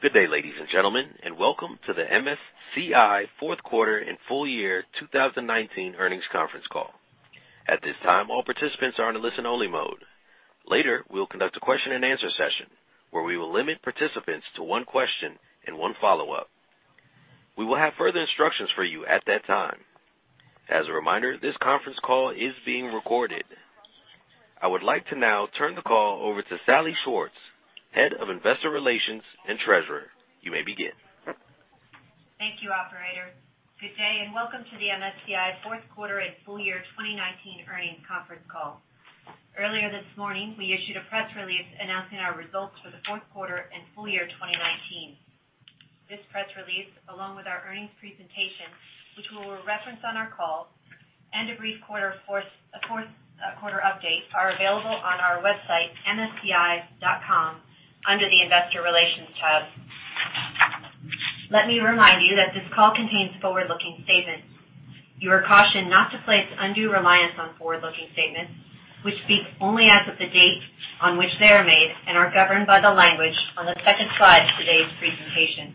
Good day, ladies and gentlemen, welcome to the MSCI fourth quarter and full year 2019 earnings conference call. At this time, all participants are in a listen-only mode. Later, we'll conduct a question and answer session where we will limit participants to one question and one follow-up. We will have further instructions for you at that time. As a reminder, this conference call is being recorded. I would like to now turn the call over to Salli Schwartz, Head of Investor Relations and Treasurer. You may begin. Thank you, operator. Good day, welcome to the MSCI fourth quarter and full year 2019 earnings conference call. Earlier this morning, we issued a press release announcing our results for the fourth quarter and full year 2019. This press release, along with our earnings presentation, which we will reference on our call, and a brief quarter update are available on our website, msci.com, under the Investor Relations tab. Let me remind you that this call contains forward-looking statements. You are cautioned not to place undue reliance on forward-looking statements, which speak only as of the date on which they are made and are governed by the language on the second slide of today's presentation.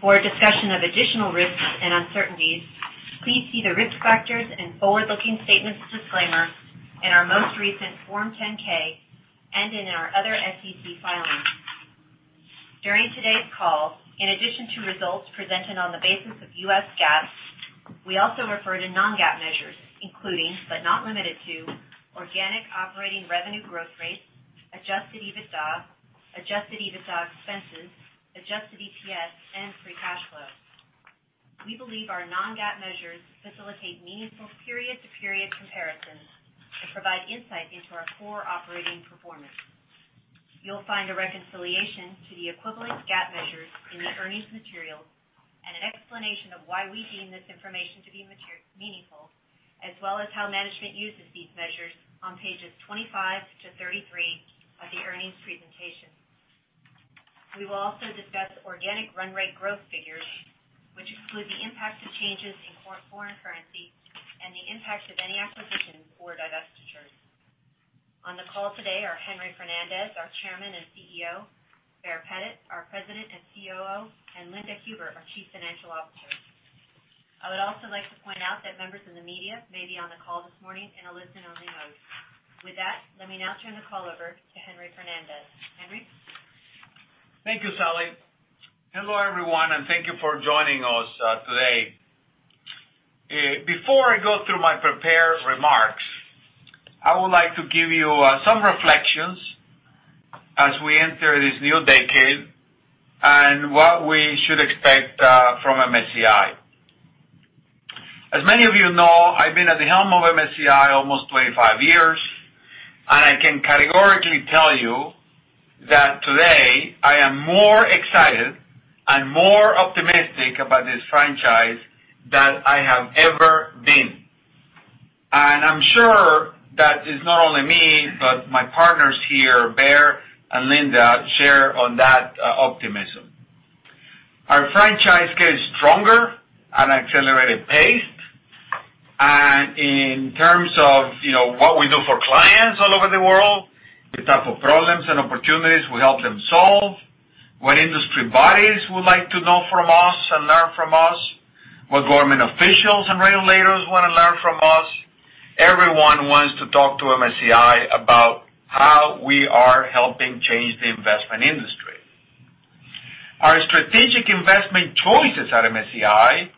For a discussion of additional risks and uncertainties, please see the Risk Factors and Forward-Looking Statements disclaimer in our most recent Form 10-K and in our other SEC filings. During today's call, in addition to results presented on the basis of U.S. GAAP, we also refer to non-GAAP measures, including, but not limited to, organic operating revenue growth rates, adjusted EBITDA, adjusted EBITDA expenses, adjusted EPS, and free cash flow. We believe our non-GAAP measures facilitate meaningful period-to-period comparisons and provide insight into our core operating performance. You'll find a reconciliation to the equivalent GAAP measures in the earnings material, and an explanation of why we deem this information to be meaningful, as well as how management uses these measures on pages 25-33 of the earnings presentation. We will also discuss organic run rate growth figures, which exclude the impact of changes in foreign currency and the impact of any acquisitions or divestitures. On the call today are Henry Fernandez, our Chairman and Chief Executive Officer, Baer Pettit, our President and COO, and Linda Huber, our Chief Financial Officer. I would also like to point out that members of the media may be on the call this morning in a listen-only mode. With that, let me now turn the call over to Henry Fernandez. Henry. Thank you, Salli. Hello, everyone, and thank you for joining us today. Before I go through my prepared remarks, I would like to give you some reflections as we enter this new decade and what we should expect from MSCI. As many of you know, I've been at the helm of MSCI almost 25 years, and I can categorically tell you that today I am more excited and more optimistic about this franchise than I have ever been. I'm sure that it's not only me, but my partners here, Baer and Linda, share on that optimism. Our franchise gets stronger at an accelerated pace. In terms of what we do for clients all over the world, the type of problems and opportunities we help them solve, what industry bodies would like to know from us and learn from us, what government officials and regulators want to learn from us. Everyone wants to talk to MSCI about how we are helping change the investment industry. Our strategic investment choices at MSCI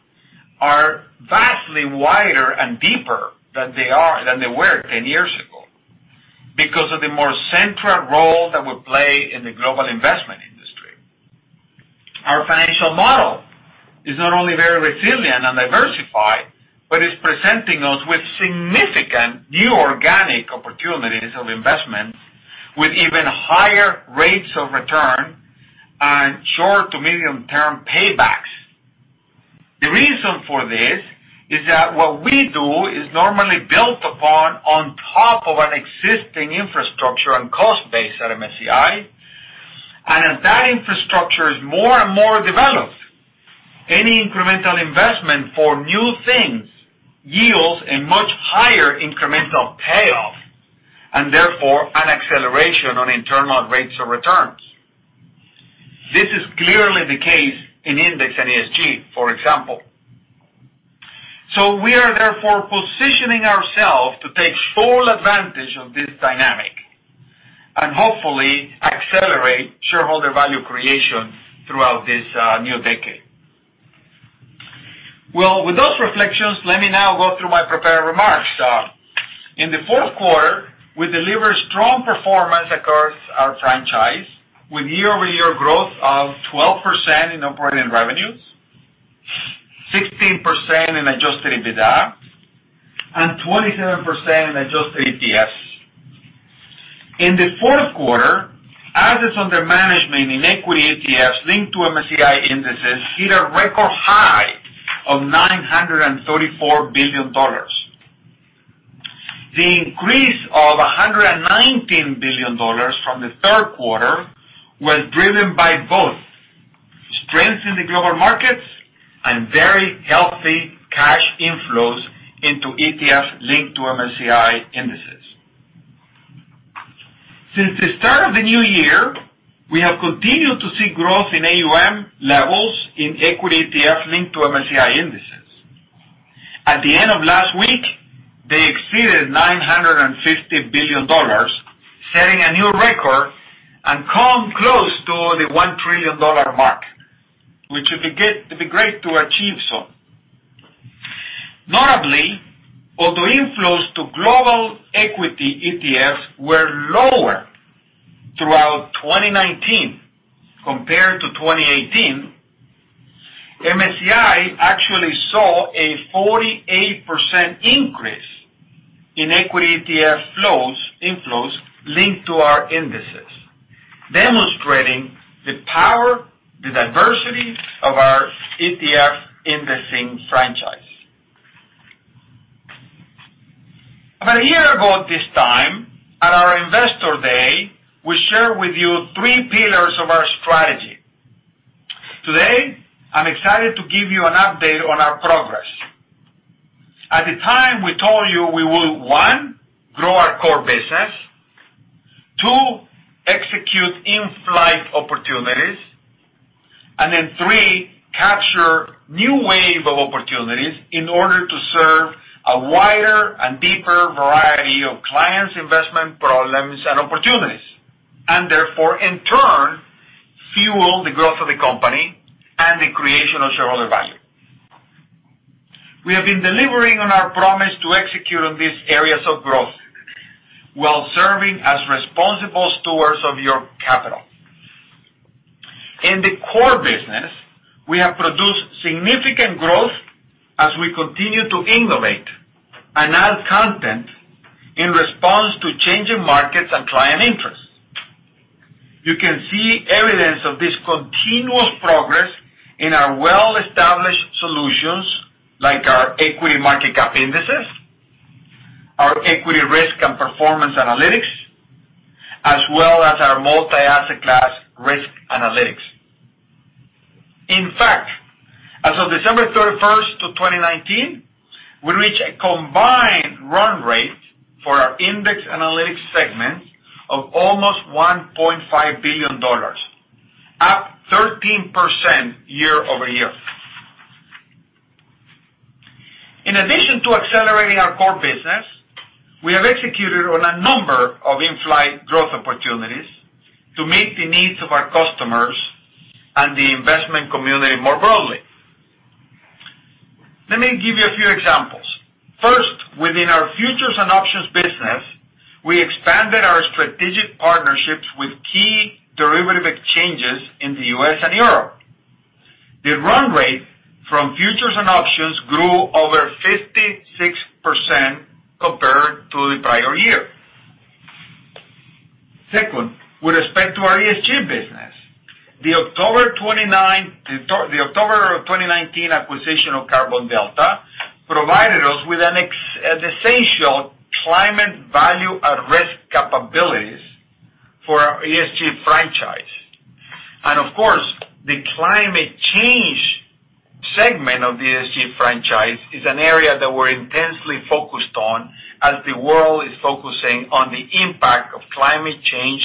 are vastly wider and deeper than they were 10 years ago because of the more central role that we play in the global investment industry. Our financial model is not only very resilient and diversified, but it's presenting us with significant new organic opportunities of investments with even higher rates of return and short to medium term paybacks. The reason for this is that what we do is normally built upon on top of an existing infrastructure and cost base at MSCI. As that infrastructure is more and more developed, any incremental investment for new things yields a much higher incremental payoff, and therefore an acceleration on internal rates of returns. This is clearly the case in index and ESG, for example. We are therefore positioning ourselves to take full advantage of this dynamic and hopefully accelerate shareholder value creation throughout this new decade. Well, with those reflections, let me now go through my prepared remarks. In the fourth quarter, we delivered strong performance across our franchise with year-over-year growth of 12% in operating revenues, 16% in adjusted EBITDA, and 27% in adjusted EPS. In the fourth quarter, assets under management in equity ETFs linked to MSCI indices hit a record high of $934 billion. The increase of $119 billion from the third quarter was driven by both strengths in the global markets and very healthy cash inflows into ETF linked to MSCI indices. Since the start of the new year, we have continued to see growth in AUM levels in equity ETF linked to MSCI indices. At the end of last week, they exceeded $950 billion, setting a new record and come close to the $1 trillion mark, which would be great to achieve. Notably, although inflows to global equity ETFs were lower throughout 2019 compared to 2018, MSCI actually saw a 48% increase in equity ETF inflows linked to our indices, demonstrating the power, the diversity of our ETF indexing franchise. About a year ago at this time, at our Investor Day, we shared with you three pillars of our strategy. Today, I'm excited to give you an update on our progress. At the time, we told you we will, one, grow our core business. Two, execute in-flight opportunities. Three, capture new wave of opportunities in order to serve a wider and deeper variety of clients' investment problems and opportunities, and therefore, in turn, fuel the growth of the company and the creation of shareholder value. We have been delivering on our promise to execute on these areas of growth while serving as responsible stewards of your capital. In the core business, we have produced significant growth as we continue to innovate and add content in response to changing markets and client interests. You can see evidence of this continuous progress in our well-established solutions, like our equity market cap indices, our equity risk and performance analytics, as well as our multi-asset class risk analytics. In fact, as of December 31st, 2019, we reached a combined run rate for our index analytics segment of almost $1.5 billion, up 13% year-over-year. In addition to accelerating our core business, we have executed on a number of in-flight growth opportunities to meet the needs of our customers and the investment community more broadly. Let me give you a few examples. First, within our futures and options business, we expanded our strategic partnerships with key derivative exchanges in the U.S. and Europe. The run rate from futures and options grew over 56% compared to the prior year. Second, with respect to our ESG business, the October 2019 acquisition of Carbon Delta provided us with an essential climate value at-risk capabilities for our ESG franchise. Of course, the climate change segment of the ESG franchise is an area that we're intensely focused on as the world is focusing on the impact of climate change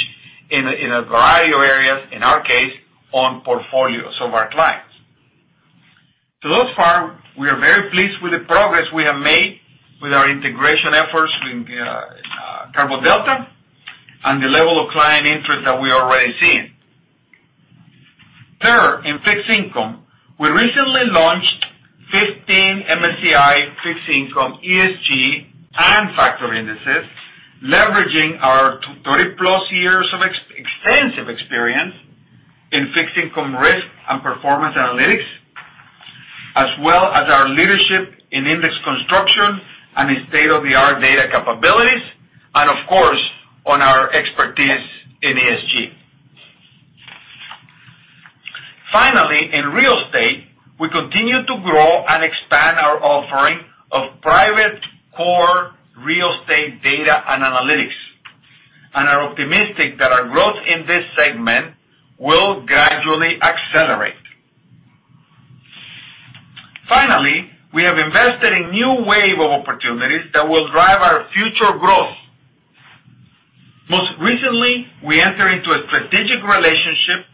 in a variety of areas, in our case, on portfolios of our clients. To thus far, we are very pleased with the progress we have made with our integration efforts with Carbon Delta and the level of client interest that we are already seeing. Third, in fixed income, we recently launched 15 MSCI fixed income ESG and factor indices, leveraging our 30-plus years of extensive experience in fixed income risk and performance analytics, as well as our leadership in index construction and state-of-the-art data capabilities, and of course, on our expertise in ESG. Finally, in real estate, we continue to grow and expand our offering of private core real estate data and analytics, and are optimistic that our growth in this segment will gradually accelerate. Finally, we have invested in new wave of opportunities that will drive our future growth. Most recently, we entered into a strategic relationship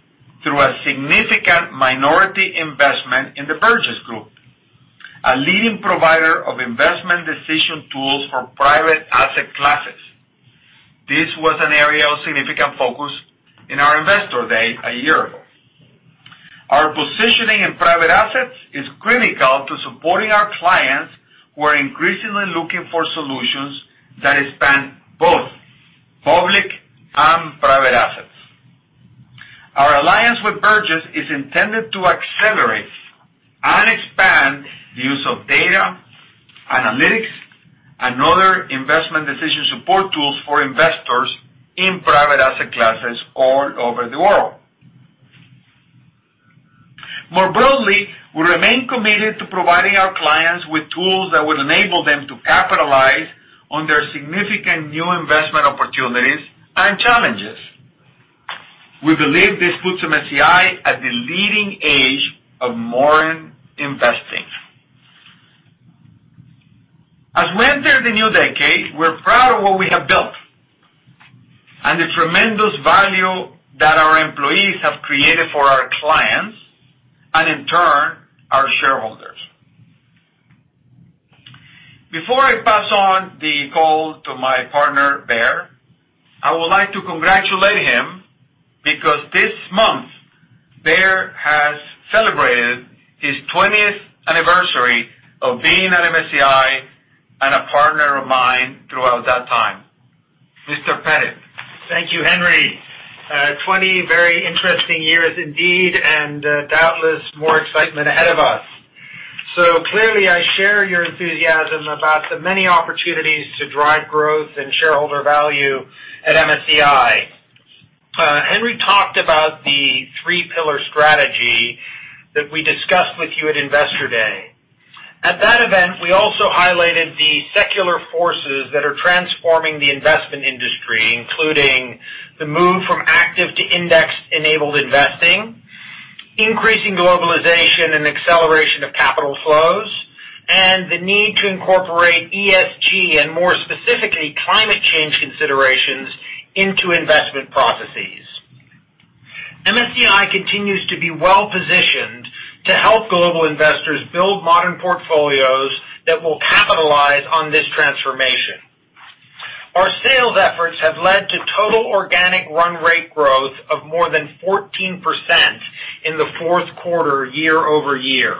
through a significant minority investment in the Burgiss Group, a leading provider of investment decision tools for private asset classes. This was an area of significant focus in our Investor Day a year ago. Our positioning in private assets is critical to supporting our clients who are increasingly looking for solutions that span both public and private assets. Our alliance with Burgiss is intended to accelerate and expand the use of data analytics and other investment decision support tools for investors in private asset classes all over the world. More broadly, we remain committed to providing our clients with tools that will enable them to capitalize on their significant new investment opportunities and challenges. We believe this puts MSCI at the leading edge of modern investing. As we enter the new decade, we're proud of what we have built and the tremendous value that our employees have created for our clients, and in turn, our shareholders. Before I pass on the call to my partner, Baer, I would like to congratulate him because this month Baer has celebrated his 20th anniversary of being at MSCI and a partner of mine throughout that time. Mr. Pettit. Thank you, Henry. 20 very interesting years indeed, doubtless more excitement ahead of us. Clearly I share your enthusiasm about the many opportunities to drive growth and shareholder value at MSCI. Henry talked about the three-pillar strategy that we discussed with you at Investor Day. At that event, we also highlighted the secular forces that are transforming the investment industry, including the move from active to index-enabled investing, increasing globalization and acceleration of capital flows, and the need to incorporate ESG and more specifically, climate change considerations into investment processes. MSCI continues to be well-positioned to help global investors build modern portfolios that will capitalize on this transformation. Our sales efforts have led to total organic run rate growth of more than 14% in the fourth quarter year-over-year.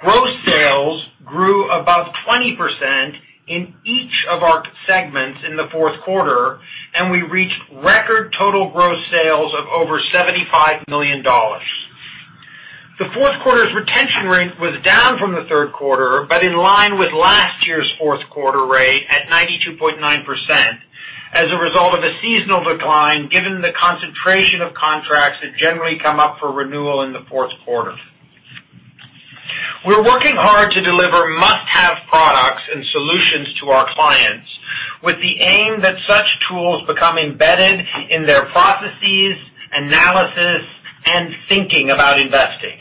Gross sales grew above 20% in each of our segments in the fourth quarter, and we reached record total gross sales of over $75 million. The fourth quarter's retention rate was down from the third quarter, but in line with last year's fourth quarter rate at 92.9%, as a result of a seasonal decline given the concentration of contracts that generally come up for renewal in the fourth quarter. We're working hard to deliver must-have products and solutions to our clients with the aim that such tools become embedded in their processes, analysis, and thinking about investing.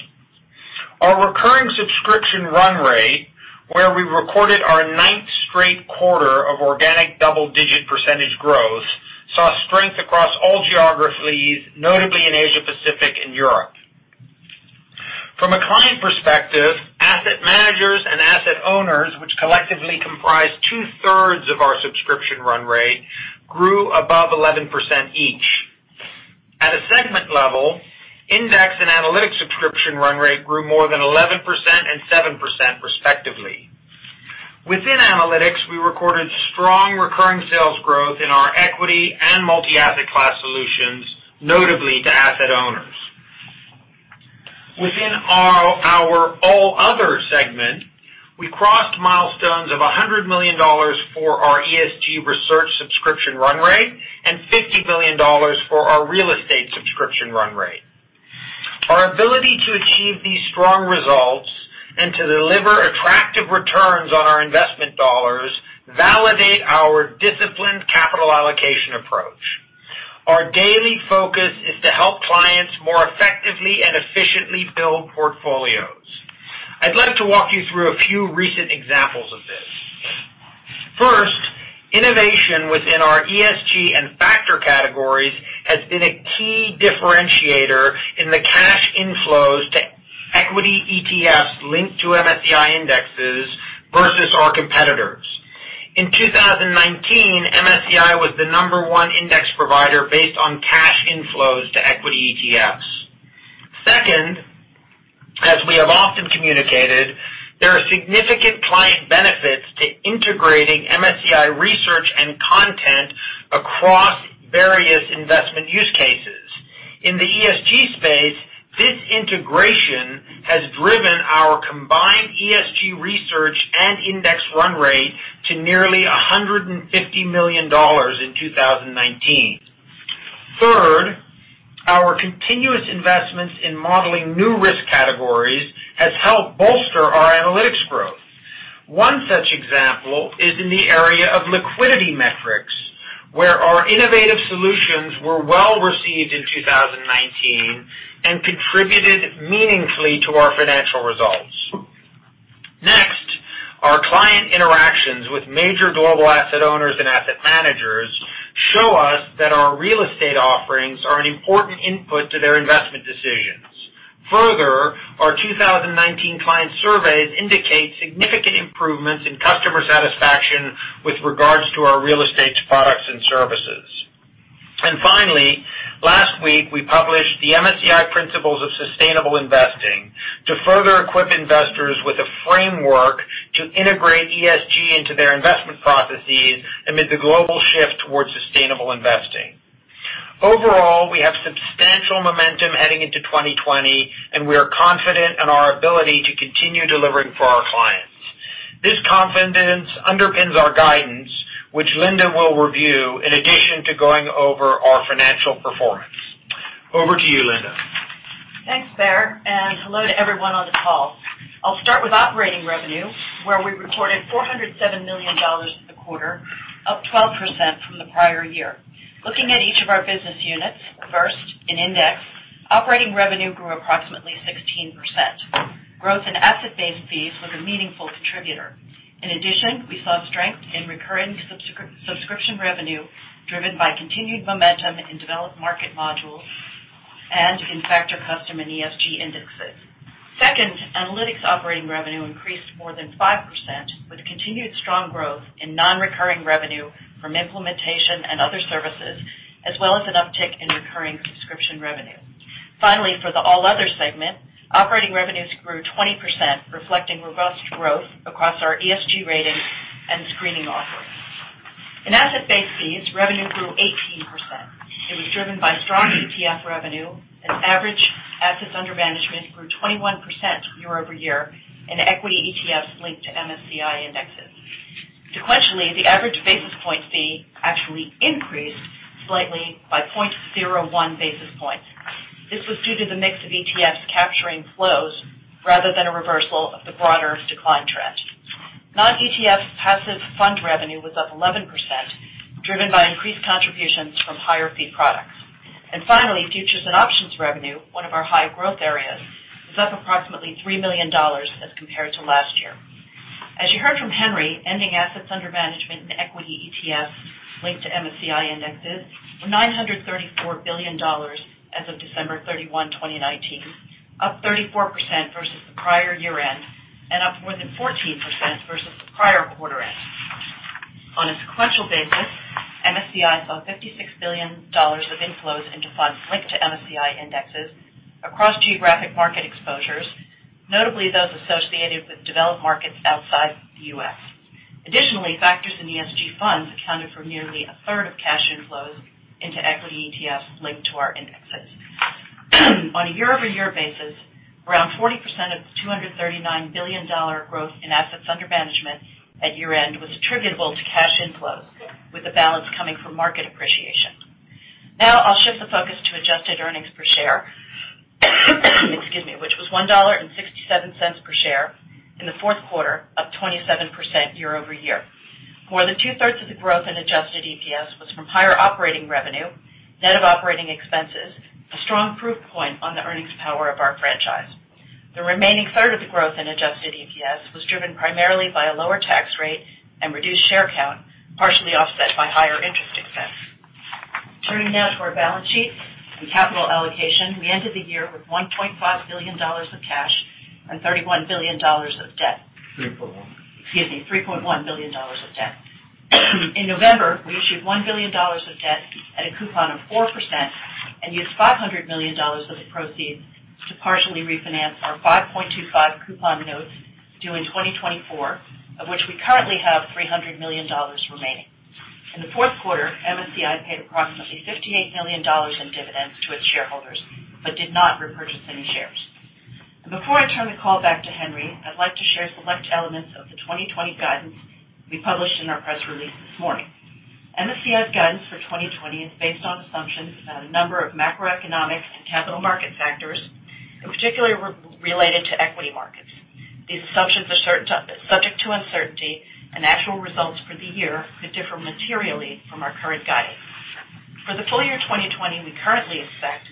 Our recurring subscription run rate, where we recorded our ninth straight quarter of organic double-digit percentage growth, saw strength across all geographies, notably in Asia-Pacific and Europe. From a client perspective, asset managers and asset owners, which collectively comprise two-thirds of our subscription run rate, grew above 11% each. At a segment level, index and analytics subscription run rate grew more than 11% and 7% respectively. Within analytics, we recorded strong recurring sales growth in our equity and multi-asset class solutions, notably to asset owners. Within our All Other Segment, we crossed milestones of $100 million for our ESG research subscription run rate and $50 million for our real estate subscription run rate. Our ability to achieve these strong results and to deliver attractive returns on our investment dollars validate our disciplined capital allocation approach. Our daily focus is to help clients more effectively and efficiently build portfolios. I'd like to walk you through a few recent examples of this. First, innovation within our ESG and factor categories has been a key differentiator in the cash inflows to equity ETFs linked to MSCI indexes versus our competitors. In 2019, MSCI was the number 1 index provider based on cash inflows to equity ETFs. Second, as we have often communicated, there are significant client benefits to integrating MSCI research and content across various investment use cases. In the ESG space, this integration has driven our combined ESG research and index run rate to nearly $150 million in 2019. Third, our continuous investments in modeling new risk categories has helped bolster our analytics growth. One such example is in the area of liquidity metrics, where our innovative solutions were well received in 2019 and contributed meaningfully to our financial results. Next, our client interactions with major global asset owners and asset managers show us that our real estate offerings are an important input to their investment decisions. Further, our 2019 client surveys indicate significant improvements in customer satisfaction with regards to our real estate products and services. Finally, last week we published the MSCI Principles of Sustainable Investing to further equip investors with a framework to integrate ESG into their investment processes amid the global shift towards sustainable investing. Overall, we have substantial momentum heading into 2020, and we are confident in our ability to continue delivering for our clients. This confidence underpins our guidance, which Linda will review in addition to going over our financial performance. Over to you, Linda Thanks Baer, Hello to everyone on the call. I'll start with operating revenue, where we recorded $407 million for the quarter, up 12% from the prior year. Looking at each of our business units, first, in Index, operating revenue grew approximately 16%. Growth in asset-based fees was a meaningful contributor. In addition, we saw strength in recurring subscription revenue driven by continued momentum in developed market modules and in factor, custom, and ESG indexes. Second, Analytics operating revenue increased more than 5%, with continued strong growth in non-recurring revenue from implementation and other services, as well as an uptick in recurring subscription revenue. Finally, for the All Other segment, operating revenues grew 20%, reflecting robust growth across our ESG ratings and screening offerings. In asset-based fees, revenue grew 18%. It was driven by strong ETF revenue, and average assets under management grew 21% year-over-year in equity ETFs linked to MSCI indexes. Sequentially, the average basis point fee actually increased slightly by 0.01 basis points. This was due to the mix of ETFs capturing flows rather than a reversal of the broader decline trend. Non-ETF passive fund revenue was up 11%, driven by increased contributions from higher fee products. Finally, futures and options revenue, one of our high-growth areas, was up approximately $3 million as compared to last year. As you heard from Henry, ending assets under management in equity ETFs linked to MSCI indexes were $934 billion as of December 31, 2019, up 34% versus the prior year-end and up more than 14% versus the prior quarter-end. On a sequential basis, MSCI saw $56 billion of inflows into funds linked to MSCI indexes across geographic market exposures, notably those associated with developed markets outside the U.S. Additionally, factors in ESG funds accounted for nearly a third of cash inflows into equity ETFs linked to our indexes. On a year-over-year basis, around 40% of the $239 billion growth in assets under management at year-end was attributable to cash inflows, with the balance coming from market appreciation. Now I'll shift the focus to adjusted earnings per share, which was $1.67 per share in the fourth quarter, up 27% year-over-year. More than two-thirds of the growth in adjusted EPS was from higher operating revenue, net of operating expenses, a strong proof point on the earnings power of our franchise. The remaining third of the growth in adjusted EPS was driven primarily by a lower tax rate and reduced share count, partially offset by higher interest expense. Turning now to our balance sheet and capital allocation, we ended the year with $1.5 billion of cash and $31 billion of debt. 3.1. Excuse me, $3.1 billion of debt. In November, we issued $1 billion of debt at a coupon of 4% and used $500 million of the proceeds to partially refinance our 5.25 coupon notes due in 2024, of which we currently have $300 million remaining. In the fourth quarter, MSCI paid approximately $58 million in dividends to its shareholders but did not repurchase any shares. Before I turn the call back to Henry, I'd like to share select elements of the 2020 guidance we published in our press release this morning. MSCI's guidance for 2020 is based on assumptions about a number of macroeconomic and capital market factors, in particular related to equity markets. These assumptions are subject to uncertainty, and actual results for the year could differ materially from our current guidance. For the full year 2020, we currently expect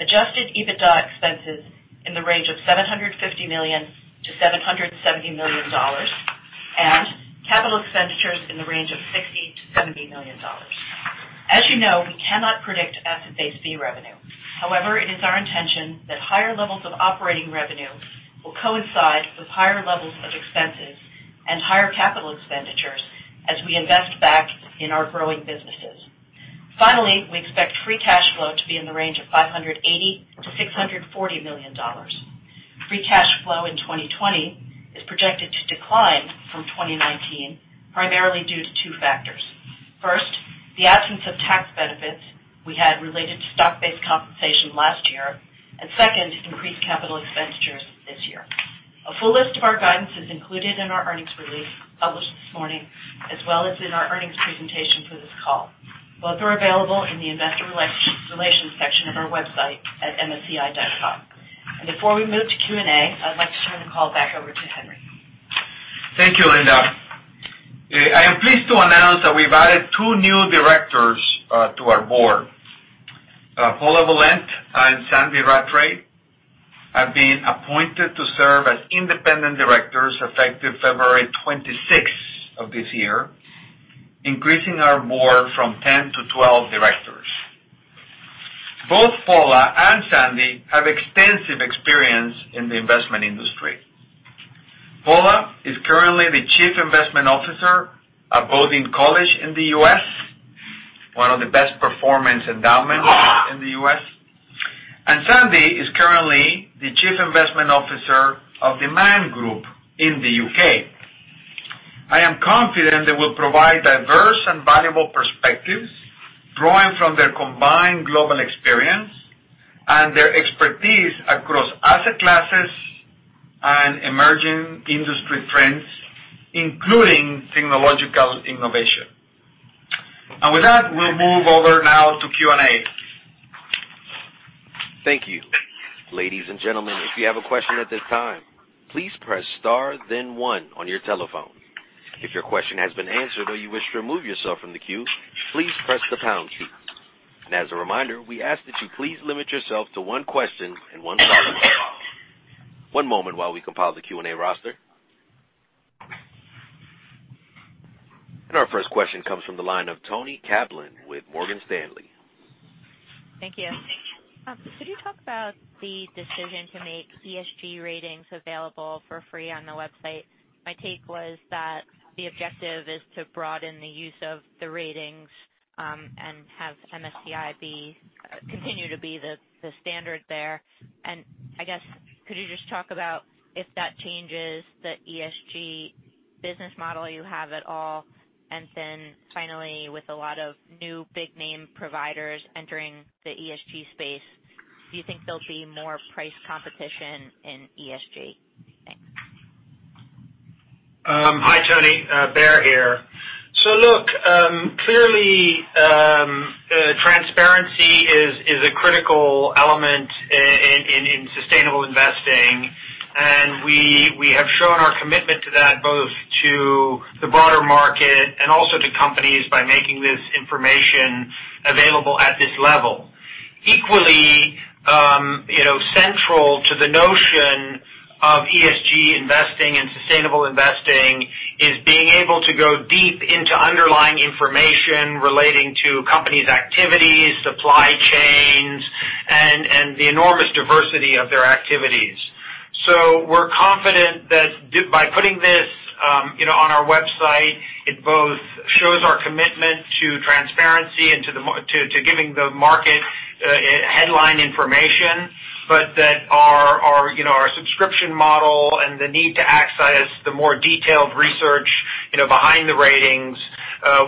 adjusted EBITDA expenses in the range of $750 million-$770 million and capital expenditures in the range of $60 million-$70 million. As you know, we cannot predict asset-based fee revenue. It is our intention that higher levels of operating revenue will coincide with higher levels of expenses and higher capital expenditures as we invest back in our growing businesses. We expect free cash flow to be in the range of $580 million-$640 million. Free cash flow in 2020 is projected to decline from 2019, primarily due to two factors. First, the absence of tax benefits we had related to stock-based compensation last year, and second, increased capital expenditures this year. A full list of our guidance is included in our earnings release published this morning, as well as in our earnings presentation for this call. Both are available in the investor relations section of our website at msci.com. Before we move to Q&A, I'd like to turn the call back over to Henry. Thank you, Linda. I am pleased to announce that we've added two new directors to our board. Paula Volent and Sandy Rattray have been appointed to serve as independent directors effective February 26 of this year, increasing our board from 10 to 12 directors. Both Paula and Sandy have extensive experience in the investment industry. Paula is currently the Chief Investment Officer at Bowdoin College in the U.S., one of the best performance endowments in the U.S. Sandy is currently the Chief Investment Officer of the Man Group in the U.K. I am confident they will provide diverse and valuable perspectives, drawing from their combined global experience and their expertise across asset classes and emerging industry trends, including technological innovation. With that, we'll move over now to Q&A. Thank you. Ladies and gentlemen, if you have a question at this time, please press star then one on your telephone. If your question has been answered or you wish to remove yourself from the queue, please press the pound key. As a reminder, we ask that you please limit yourself to one question and one follow-up. One moment while we compile the Q&A roster. Our first question comes from the line of Toni Kaplan with Morgan Stanley. Thank you. Could you talk about the decision to make ESG ratings available for free on the website? My take was that the objective is to broaden the use of the ratings, and have MSCI continue to be the standard there. I guess, could you just talk about if that changes the ESG business model you have at all? Then finally, with a lot of new big-name providers entering the ESG space, do you think there'll be more price competition in ESG? Thanks. Hi, Toni. Baer here. Look, clearly, transparency is a critical element in sustainable investing, and we have shown our commitment to that, both to the broader market and also to companies by making this information available at this level. Equally, central to the notion of ESG investing and sustainable investing is being able to go deep into underlying information relating to companies' activities, supply chains, and the enormous diversity of their activities. We're confident that by putting this on our website, it both shows our commitment to transparency and to giving the market headline information, but that our subscription model and the need to access the more detailed research behind the ratings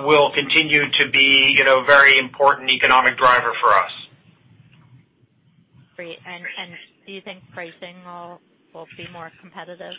will continue to be a very important economic driver for us. Great. Do you think pricing will be more competitive?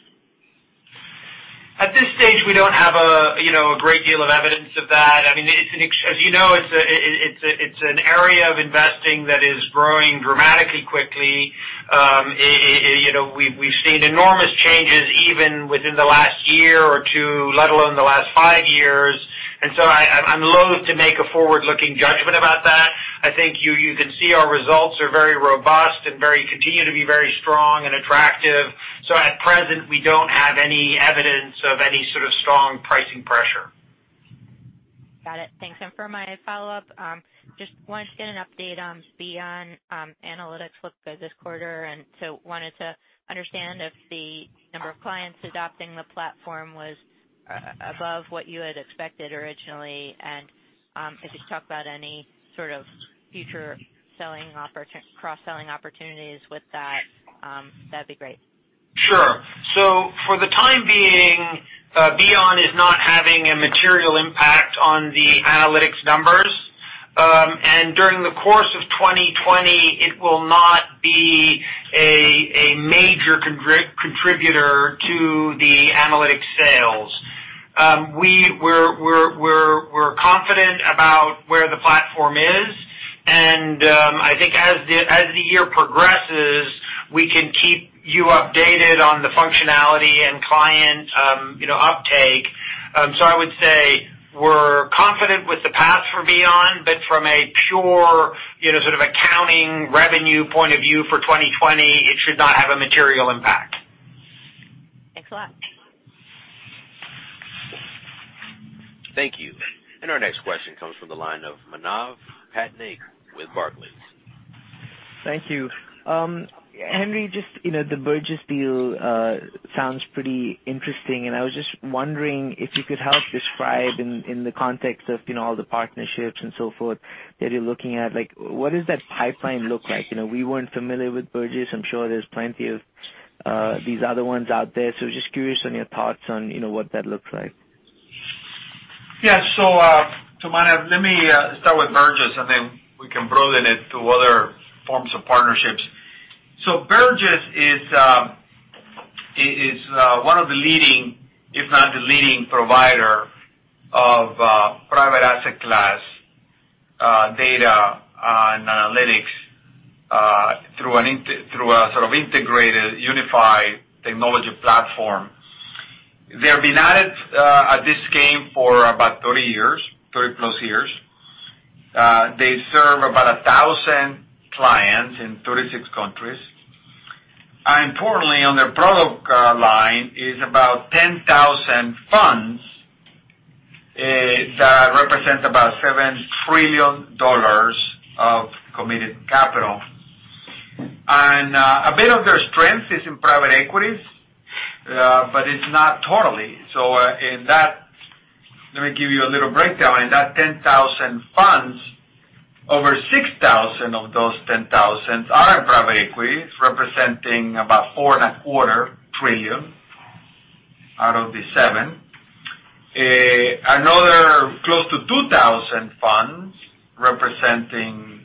At this stage, we don't have a great deal of evidence of that. As you know, it's an area of investing that is growing dramatically quickly. We've seen enormous changes even within the last year or two, let alone the last five years, and so I'm loath to make a forward-looking judgment about that. I think you can see our results are very robust and continue to be very strong and attractive. At present, we don't have any evidence of any sort of strong pricing pressure. Got it. Thanks. For my follow-up, just wanted to get an update on Beyond Analytics. Looked good this quarter. Wanted to understand if the number of clients adopting the platform was above what you had expected originally. If you could talk about any sort of future cross-selling opportunities with that'd be great. Sure. For the time being, Beyond is not having a material impact on the analytics numbers. During the course of 2020, it will not be a major contributor to the analytics sales. We're confident about where the platform is, and I think as the year progresses, we can keep you updated on the functionality and client uptake. I would say we're confident with the path for Beyond, but from a pure sort of accounting revenue point of view for 2020, it should not have a material impact. Thanks a lot. Thank you. Our next question comes from the line of Manav Patnaik with Barclays. Thank you. Henry, the Burgiss deal sounds pretty interesting, and I was just wondering if you could help describe in the context of all the partnerships and so forth that you're looking at. What does that pipeline look like? We weren't familiar with Burgiss. I'm sure there's plenty of these other ones out there. Just curious on your thoughts on what that looks like. Manav, let me start with Burgiss, and then we can broaden it to other forms of partnerships. Burgiss is one of the leading, if not the leading provider of private asset class data and analytics through a sort of integrated, unified technology platform. They've been at this game for about 30+ years. They serve about 1,000 clients in 36 countries. Importantly, on their product line is about 10,000 funds that represent about $7 trillion of committed capital. A bit of their strength is in private equities, but it's not totally. Let me give you a little breakdown. In that 10,000 funds, over 6,000 of those 10,000 are in private equity, representing about $4 and a quarter trillion out of the $7 trillion. Another close to 2,000 funds representing,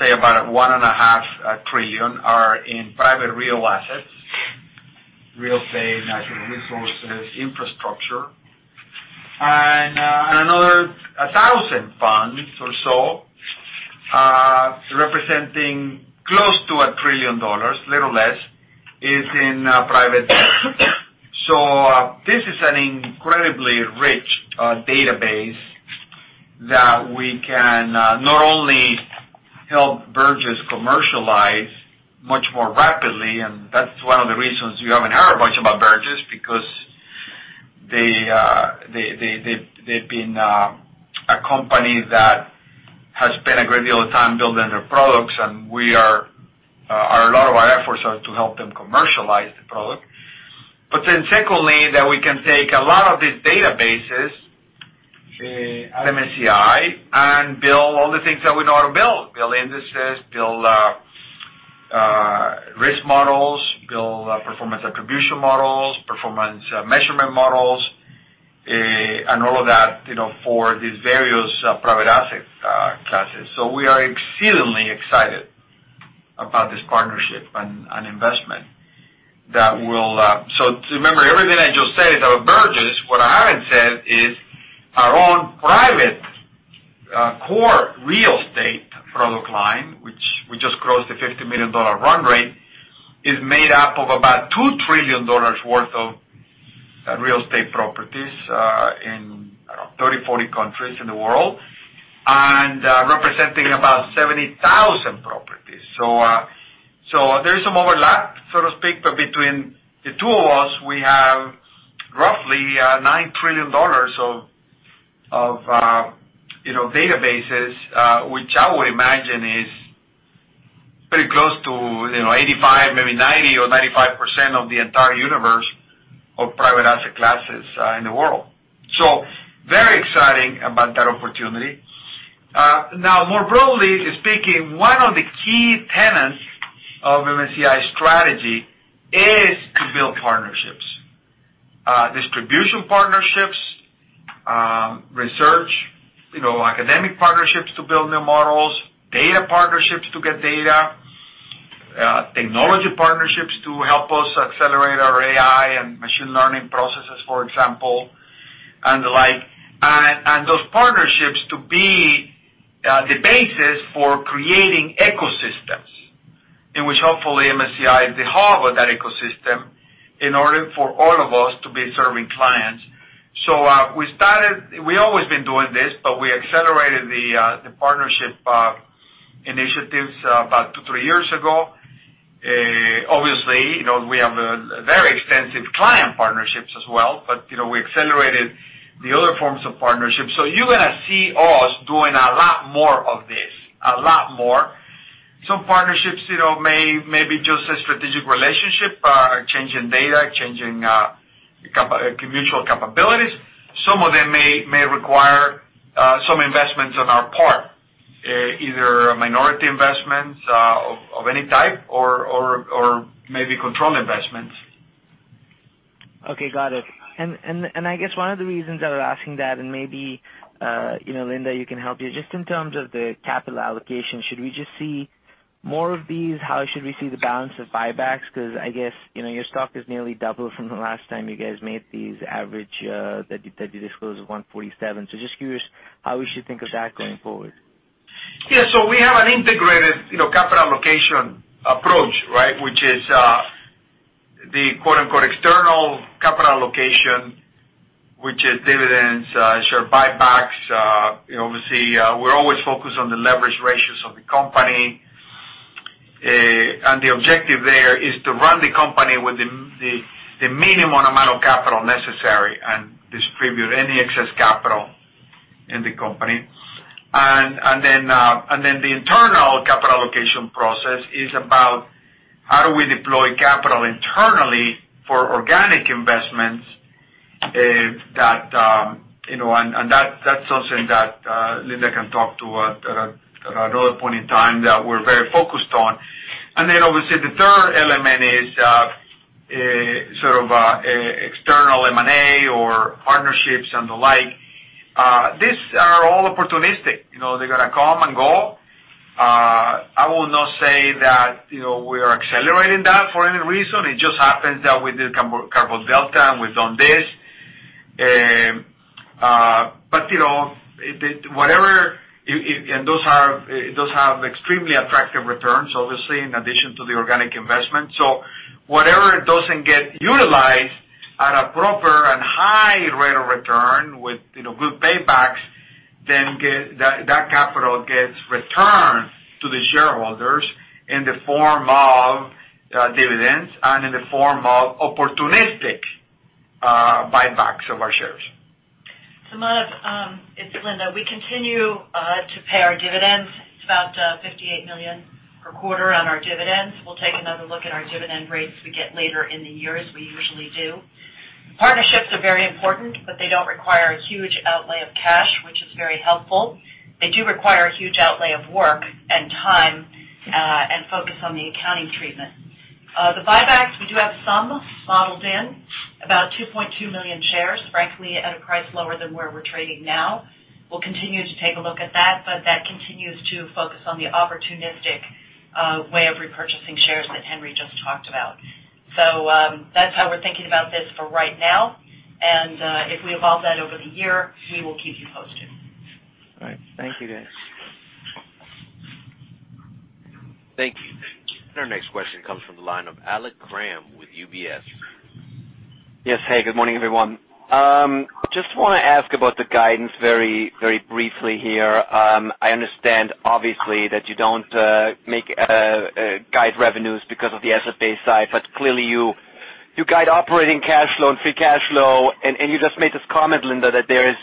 say, about $1.5 trillion are in private real assets; real estate, natural resources, infrastructure, and another 1,000 funds or so, representing close to $1 trillion, a little less, is in private debt. This is an incredibly rich database that we can not only help Burgiss commercialize much more rapidly, and that's one of the reasons you haven't heard much about Burgiss, because they've been a company that has spent a great deal of time building their products, and a lot of our efforts are to help them commercialize the product. Secondly, that we can take a lot of these databases, MSCI, and build all the things that we know how to build. Build indices, build risk models, build performance attribution models, performance measurement models, and all of that for these various private asset classes. We are exceedingly excited about this partnership and investment. Remember, everything I just said about Burgiss, what I haven't said is our own private core real estate product line, which we just crossed a $50 million run rate, is made up of about $2 trillion worth of real estate properties in 30, 40 countries in the world, and representing about 70,000 properties. There is some overlap, so to speak, but between the two of us, we have roughly $9 trillion of databases, which I would imagine is pretty close to 85%, maybe 90% or 95% of the entire universe of private asset classes in the world. Very exciting about that opportunity. More broadly speaking, one of the key tenets of MSCI strategy is to build partnerships. Distribution partnerships, research, academic partnerships to build new models, data partnerships to get data, technology partnerships to help us accelerate our AI and machine learning processes, for example, and the like. Those partnerships to be the basis for creating ecosystems in which hopefully MSCI is the hub of that ecosystem in order for all of us to be serving clients. We always been doing this, but we accelerated the partnership initiatives about two, three years ago. Obviously, we have very extensive client partnerships as well, but we accelerated the other forms of partnerships. You're going to see us doing a lot more of this, a lot more. Some partnerships may be just a strategic relationship, changing data, changing mutual capabilities. Some of them may require some investments on our part, either minority investments of any type or maybe controlled investments. Okay, got it. I guess one of the reasons that I'm asking that, and maybe Linda, you can help here, just in terms of the capital allocation, should we just see more of these? How should we see the balance of buybacks? I guess, your stock has nearly doubled from the last time you guys made these average that you disclosed of $147. Just curious how we should think of that going forward. We have an integrated capital allocation approach, right? Which is the "external capital allocation", which is dividends, share buybacks. Obviously, we're always focused on the leverage ratios of the company. The objective there is to run the company with the minimum amount of capital necessary and distribute any excess capital in the company. The internal capital allocation process is about how do we deploy capital internally for organic investments, and that's something that Linda can talk to at another point in time, that we're very focused on. Obviously, the third element is sort of external M&A or partnerships and the like. These are all opportunistic. They're going to come and go. I will not say that we're accelerating that for any reason. It just happens that we did Carbon Delta, and we've done this. Those have extremely attractive returns, obviously, in addition to the organic investment. Whatever doesn't get utilized at a proper and high rate of return with good paybacks, then that capital gets returned to the shareholders in the form of dividends and in the form of opportunistic buybacks of our shares. Manav, it's Linda. We continue to pay our dividends. It's about $58 million per quarter on our dividends. We'll take another look at our dividend rates we get later in the year, as we usually do. Partnerships are very important, they don't require a huge outlay of cash, which is very helpful. They do require a huge outlay of work and time, and focus on the accounting treatment. The buybacks, we do have some modeled in. About 2.2 million shares, frankly, at a price lower than where we're trading now. We'll continue to take a look at that continues to focus on the opportunistic way of repurchasing shares that Henry just talked about. That's how we're thinking about this for right now, and if we evolve that over the year, we will keep you posted. All right. Thank you, guys. Thank you. Our next question comes from the line of Alex Kramm with UBS. Good morning, everyone. Just want to ask about the guidance very briefly here. I understand, obviously, that you don't guide revenues because of the ABF side, but clearly you guide operating cash flow and free cash flow, and you just made this comment, Linda, that there's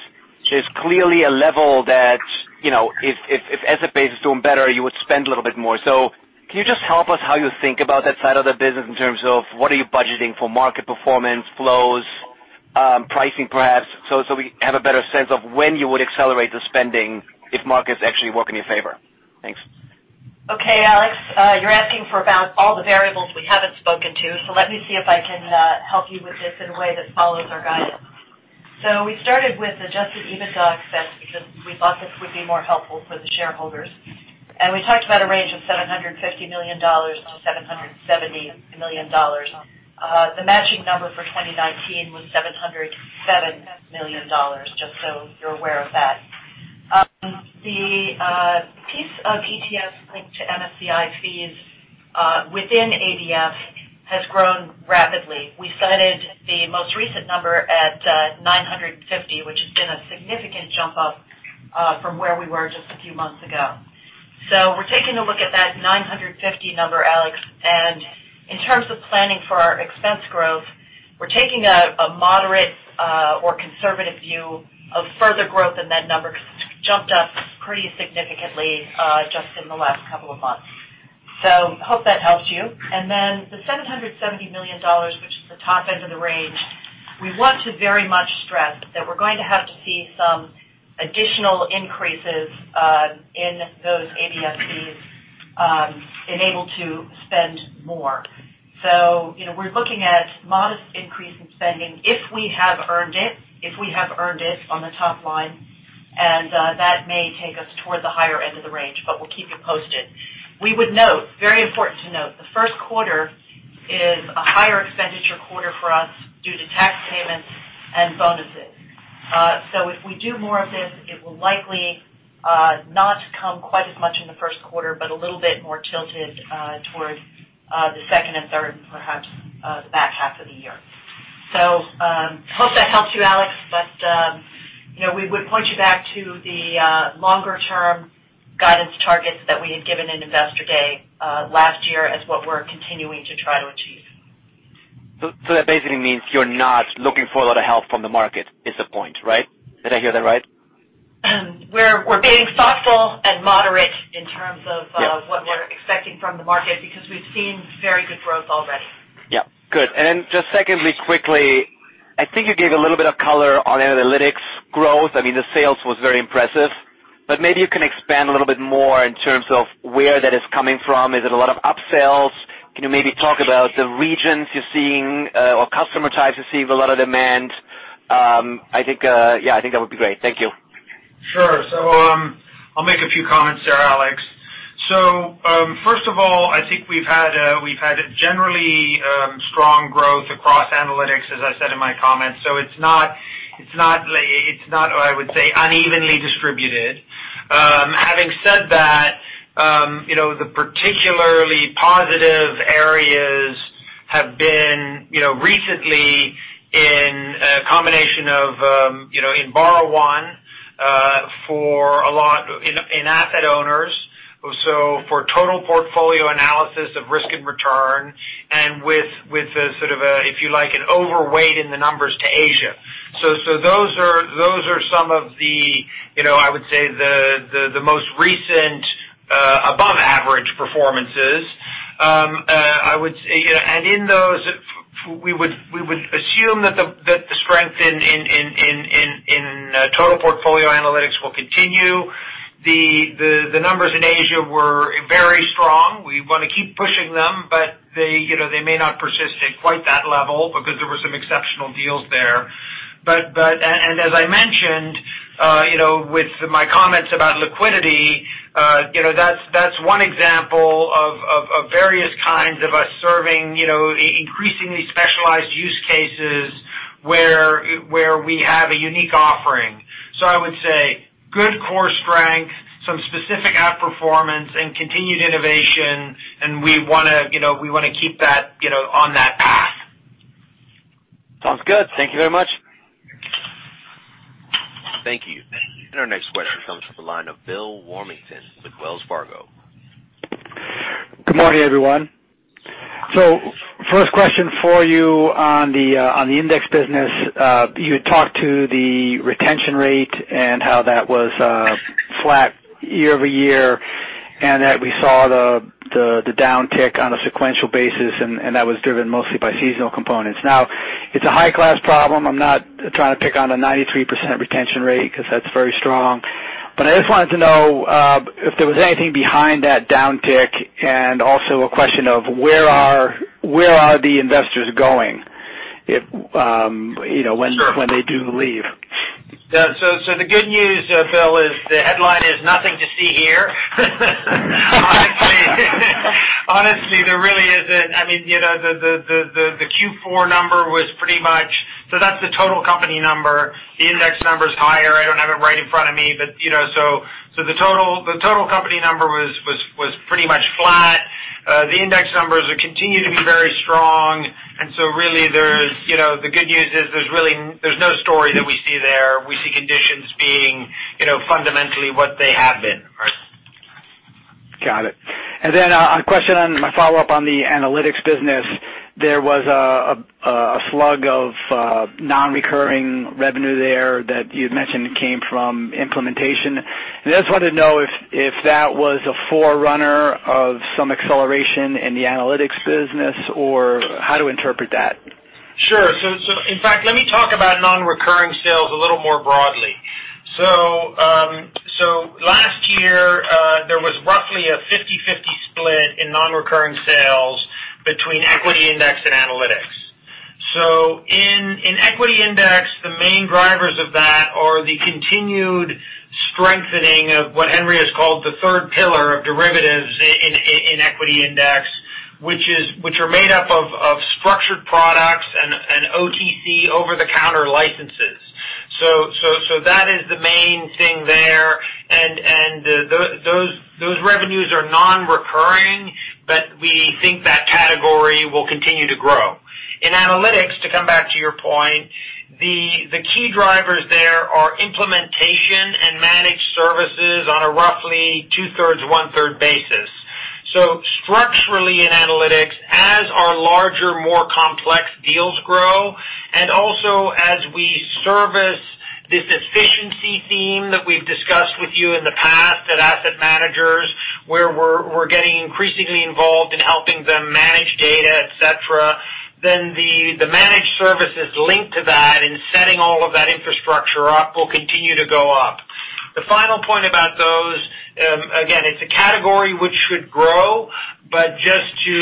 clearly a level that, if ABF is doing better, you would spend a little bit more. Can you just help us how you think about that side of the business in terms of what are you budgeting for market performance, flows, pricing, perhaps, so we have a better sense of when you would accelerate the spending if markets actually work in your favor? Thanks. Okay, Alex. You're asking for about all the variables we haven't spoken to, so let me see if I can help you with this in a way that follows our guidance. We started with adjusted EBITDA expense because we thought this would be more helpful for the shareholders. We talked about a range of $750 million-$770 million. The matching number for 2019 was $707 million, just so you're aware of that. The piece of ETF linked to MSCI fees within ABF has grown rapidly. We cited the most recent number at $950, which has been a significant jump up from where we were just a few months ago. We're taking a look at that $950 number, Alex. In terms of planning for our expense growth, we're taking a moderate or conservative view of further growth in that number because it's jumped up pretty significantly just in the last couple of months. Hope that helps you. Then the $770 million, which is the top end of the range, we want to very much stress that we're going to have to see some additional increases in those ABF fees in order to spend more. We're looking at modest increase in spending if we have earned it on the top line, and that may take us toward the higher end of the range, but we'll keep you posted. We would note, very important to note, the first quarter is a higher expenditure quarter for us due to tax payments and bonuses. If we do more of this, it will likely not come quite as much in the first quarter, but a little bit more tilted towards the second and third and perhaps the back half of the year. Hope that helps you, Alex, but we would point you back to the longer-term guidance targets that we had given in Investor Day last year as what we're continuing to try to achieve. That basically means you're not looking for a lot of help from the market is the point, right? Did I hear that right? We're being thoughtful and moderate in terms of- Yeah what we're expecting from the market because we've seen very good growth already. Yeah. Good. Just secondly, quickly, I think you gave a little bit of color on analytics growth. I mean, the sales was very impressive, maybe you can expand a little bit more in terms of where that is coming from. Is it a lot of upsales? Can you maybe talk about the regions you're seeing or customer types you're seeing a lot of demand? Yeah, I think that would be great. Thank you. Sure. I'll make a few comments there, Alex. First of all, I think we've had generally strong growth across analytics, as I said in my comments. It's not, I would say, unevenly distributed. Having said that, the particularly positive areas have been recently in a combination of in Burgiss for a lot in asset owners. For total portfolio analysis of risk and return and with a sort of a, if you like, an overweight in the numbers to Asia. Those are some of the, I would say, the most recent above average performances. In those, we would assume that the strength in total portfolio analytics will continue. The numbers in Asia were very strong. We want to keep pushing them, but they may not persist at quite that level because there were some exceptional deals there. As I mentioned with my comments about liquidity, that's one example of various kinds of us serving increasingly specialized use cases where we have a unique offering. I would say good core strength, some specific outperformance, and continued innovation, and we want to keep that on that path. Sounds good. Thank you very much. Thank you. Our next question comes from the line of Bill Warmington with Wells Fargo. Good morning, everyone. First question for you on the index business. You had talked to the retention rate and how that was flat year-over-year, and that we saw the downtick on a sequential basis, and that was driven mostly by seasonal components. Now, it's a high-class problem. I'm not trying to pick on a 93% retention rate because that's very strong. I just wanted to know if there was anything behind that downtick, and also a question of where are the investors going when they do leave? Sure. The good news, Bill, is the headline is nothing to see here. Honestly, there really isn't. That's the total company number. The index numbers higher. I don't have it right in front of me, the total company number was pretty much flat. The index numbers continue to be very strong, really, the good news is there's no story that we see there. We see conditions being fundamentally what they have been. Got it. A question on my follow-up on the analytics business. There was a slug of non-recurring revenue there that you'd mentioned came from implementation. I just wanted to know if that was a forerunner of some acceleration in the analytics business, or how to interpret that. Sure. In fact, let me talk about non-recurring sales a little more broadly. Last year, there was roughly a 50-50 split in non-recurring sales between equity index and analytics. In equity index, the main drivers of that are the continued strengthening of what Henry has called the third pillar of derivatives in equity index, which are made up of structured products and OTC, over-the-counter licenses. That is the main thing there, and those revenues are non-recurring, but we think that category will continue to grow. In analytics, to come back to your point, the key drivers there are implementation and managed services on a roughly two-thirds, one-third basis. Structurally in analytics, as our larger, more complex deals grow, and also as we service this efficiency theme that we've discussed with you in the past at asset managers, where we're getting increasingly involved in helping them manage data, et cetera, then the managed services linked to that and setting all of that infrastructure up will continue to go up. The final point about those, again, it's a category which should grow, but just to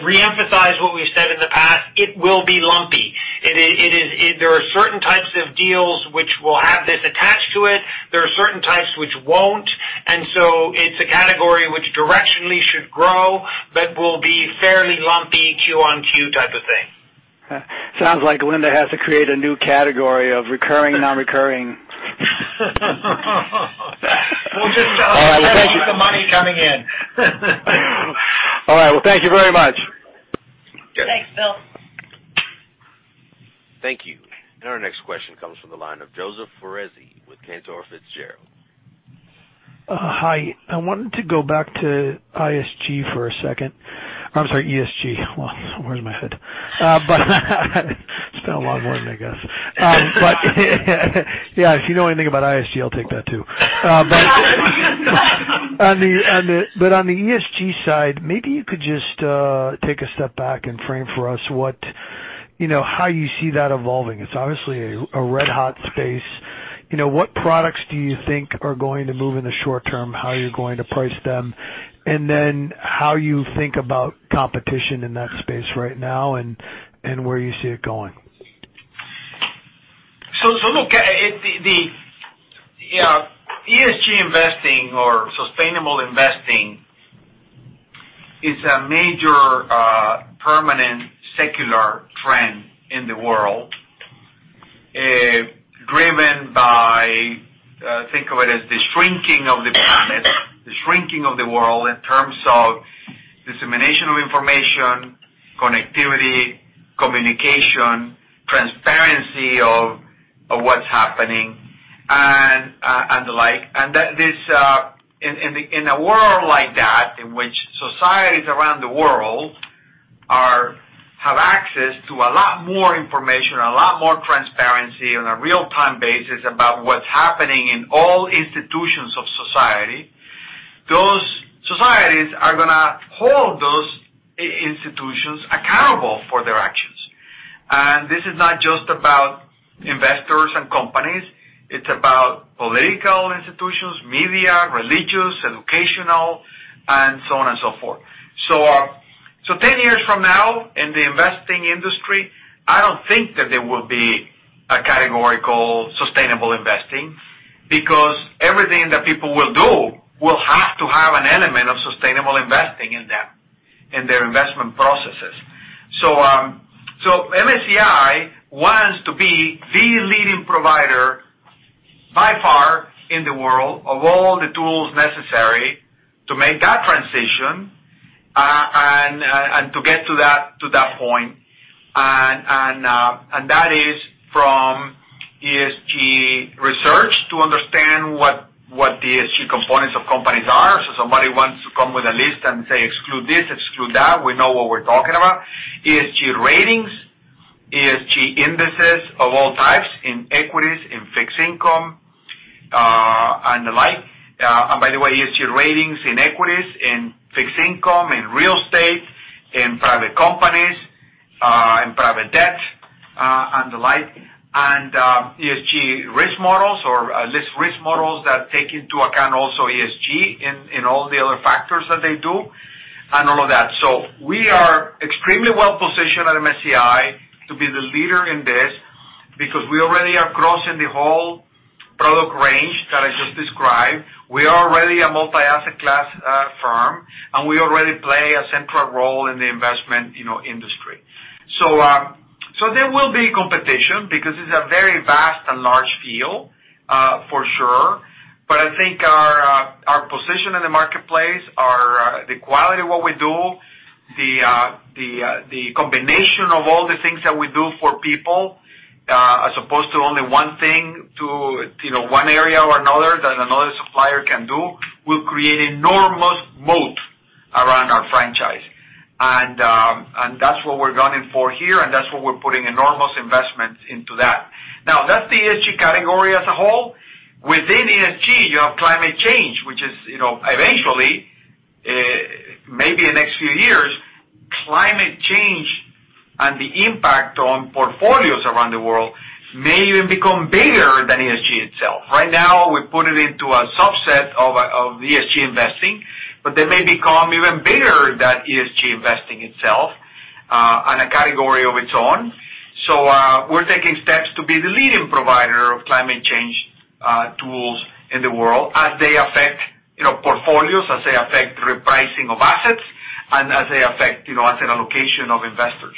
re-emphasize what we've said in the past, it will be lumpy. There are certain types of deals which will have this attached to it. There are certain types which won't. It's a category which directionally should grow but will be fairly lumpy Q on Q type of thing. Okay. Sounds like Linda has to create a new category of recurring non-recurring. We'll just tell them to keep the money coming in. All right. Well, thank you very much. Thanks, Bill. Thank you. Our next question comes from the line of Joseph Foresi with Cantor Fitzgerald. Hi. I wanted to go back to ISG for a second. I'm sorry, ESG. Well, where's my head? It's been a long morning, I guess. Yeah, if you know anything about ISG, I'll take that too. On the ESG side, maybe you could just take a step back and frame for us how you see that evolving. It's obviously a red-hot space. What products do you think are going to move in the short term, how you're going to price them, then how you think about competition in that space right now and where you see it going? Look, ESG investing or sustainable investing is a major, permanent secular trend in the world, driven by, think of it as the shrinking of the planet, the shrinking of the world in terms of dissemination of information, connectivity, communication, transparency of what's happening, and the like. In a world like that, in which societies around the world have access to a lot more information, a lot more transparency on a real-time basis about what's happening in all institutions of society, those societies are going to hold those institutions accountable for their actions. This is not just about investors and companies. It's about political institutions, media, religious, educational, and so on and so forth. 10 years from now in the investing industry, I don't think that there will be a category called sustainable investing, because everything that people will do will have to have an element of sustainable investing in them, in their investment processes. MSCI wants to be the leading provider by far in the world of all the tools necessary to make that transition and to get to that point. That is from ESG research to understand what the ESG components of companies are. Somebody wants to come with a list and say, "Exclude this, exclude that," we know what we're talking about. ESG ratings, ESG indices of all types, in equities, in fixed income, and the like. By the way, ESG ratings in equities, in fixed income, in real estate, in private companies Private debt, and the like. ESG risk models or risk models that take into account also ESG in all the other factors that they do and all of that. We are extremely well-positioned at MSCI to be the leader in this because we already are crossing the whole product range that I just described. We are already a multi-asset class firm, and we already play a central role in the investment industry. There will be competition because it's a very vast and large field, for sure. I think our position in the marketplace, the quality of what we do, the combination of all the things that we do for people, as opposed to only one thing to one area or another, that another supplier can do, will create enormous moat around our franchise. That's what we're gunning for here, and that's what we're putting enormous investments into that. That's the ESG category as a whole. Within ESG, you have climate change, which is eventually, maybe in the next few years, climate change and the impact on portfolios around the world may even become bigger than ESG itself. We put it into a subset of ESG investing, but they may become even bigger than ESG investing itself and a category of its own. We're taking steps to be the leading provider of climate change tools in the world as they affect portfolios, as they affect repricing of assets, and as they affect asset allocation of investors.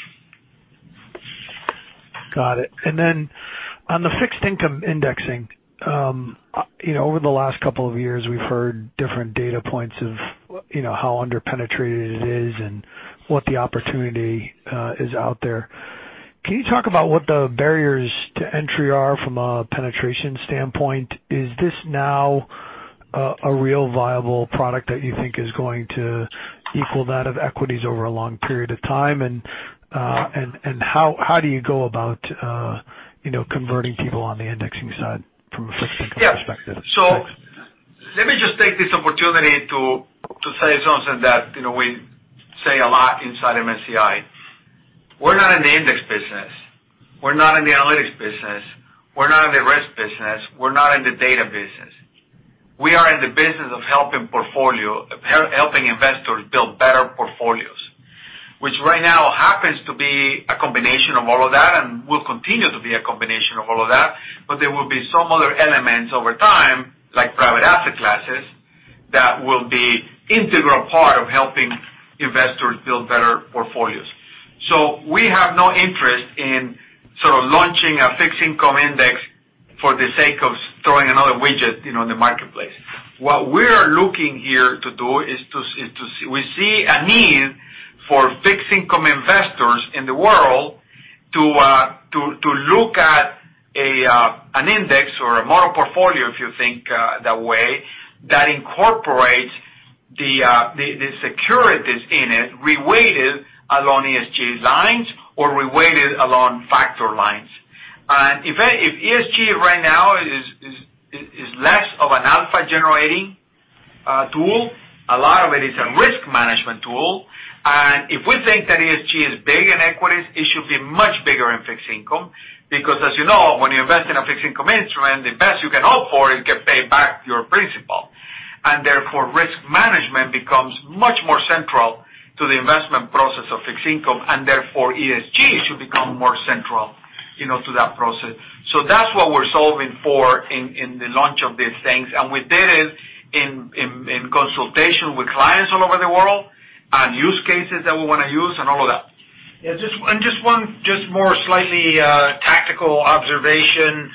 Got it. Then on the fixed income indexing, over the last couple of years, we've heard different data points of how under-penetrated it is and what the opportunity is out there. Can you talk about what the barriers to entry are from a penetration standpoint? Is this now a real viable product that you think is going to equal that of equities over a long period of time? How do you go about converting people on the indexing side from a fixed income perspective? Let me just take this opportunity to say something that we say a lot inside MSCI. We're not in the index business. We're not in the analytics business. We're not in the risk business. We're not in the data business. We are in the business of helping investors build better portfolios, which right now happens to be a combination of all of that and will continue to be a combination of all of that, but there will be some other elements over time, like private asset classes, that will be integral part of helping investors build better portfolios. We have no interest in sort of launching a fixed income index for the sake of throwing another widget in the marketplace. We see a need for fixed income investors in the world to look at an index or a model portfolio, if you think that way, that incorporates the securities in it reweighted along ESG lines or reweighted along factor lines. If ESG right now is less of an alpha-generating tool, a lot of it is a risk management tool. If we think that ESG is big in equities, it should be much bigger in fixed income. As you know, when you invest in a fixed income instrument, the best you can hope for is to get paid back your principal. Therefore, risk management becomes much more central to the investment process of fixed income, and therefore ESG should become more central to that process. That's what we're solving for in the launch of these things, and we did it in consultation with clients all over the world on use cases that we want to use and all of that. Just one more slightly tactical observation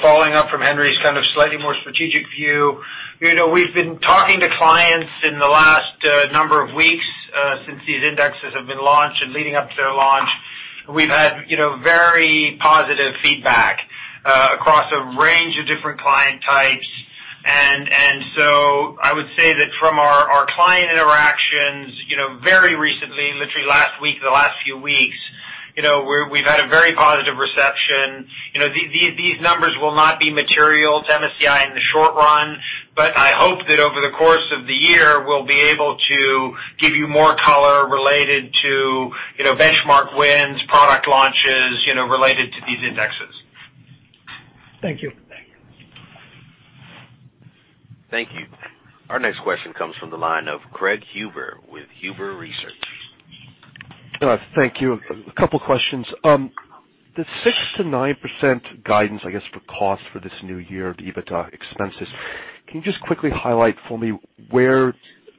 following up from Henry's kind of slightly more strategic view. We've been talking to clients in the last number of weeks since these indexes have been launched and leading up to their launch. We've had very positive feedback across a range of different client types. I would say that from our client interactions very recently, literally last week, the last few weeks, we've had a very positive reception. These numbers will not be material to MSCI in the short run, but I hope that over the course of the year, we'll be able to give you more color related to benchmark wins, product launches, related to these indexes. Thank you. Thank you. Thank you. Our next question comes from the line of Craig Huber with Huber Research. Thank you. A couple of questions. The 6%-9% guidance, I guess, for cost for this new year of EBITDA expenses, can you just quickly highlight for me where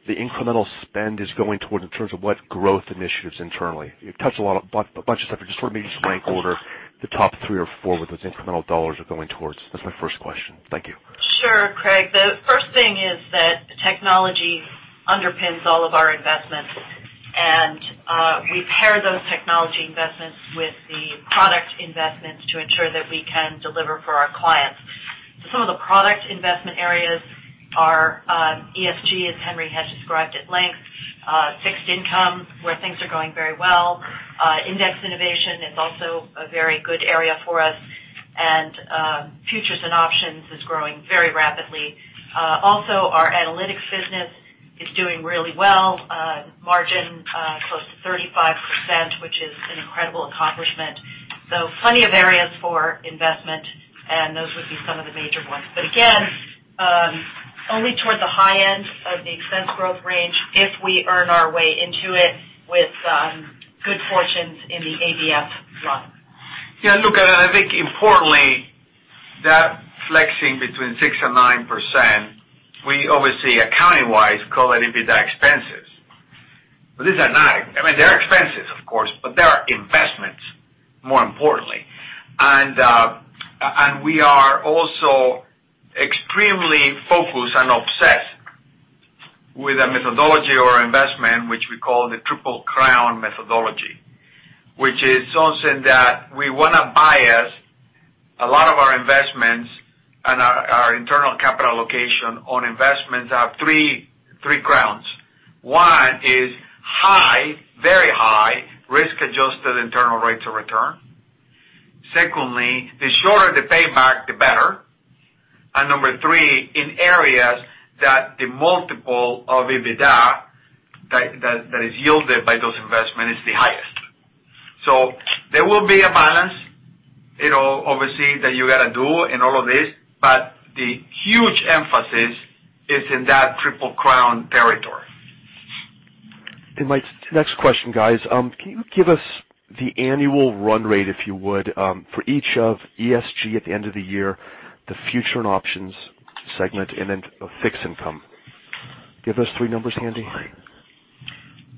the incremental spend is going toward in terms of what growth initiatives internally? Just sort of maybe just rank order the top three or four where those incremental dollars are going towards. That's my first question. Thank you. Sure, Craig. The first thing is that technology underpins all of our investments. We pair those technology investments with the product investments to ensure that we can deliver for our clients. Some of the product investment areas are ESG, as Henry has described at length, fixed income, where things are going very well. Index innovation is also a very good area for us. Futures and options is growing very rapidly. Also, our analytics business is doing really well. Margin close to 35%, which is an incredible accomplishment. Plenty of areas for investment. Those would be some of the major ones. Again, only toward the high end of the expense growth range if we earn our way into it with good fortunes in the ABF slot. Yeah, look, I think importantly, that flexing between 6% and 9%, we obviously, accounting-wise, call that EBITDA expenses. These are not. I mean, they are expenses, of course, but they are investments, more importantly. We are also extremely focused and obsessed with a methodology or investment, which we call the Triple Crown methodology, which is something that we want to bias a lot of our investments and our internal capital allocation on investments have three crowns. One is high, very high risk-adjusted internal rates of return. Secondly, the shorter the payback, the better. Number three, in areas that the multiple of EBITDA that is yielded by those investment is the highest. There will be a balance, obviously, that you got to do in all of this, but the huge emphasis is in that Triple Crown territory. My next question, guys. Can you give us the annual run rate, if you would, for each of ESG at the end of the year, the future and options segment, and then fixed income? Give us three numbers handy.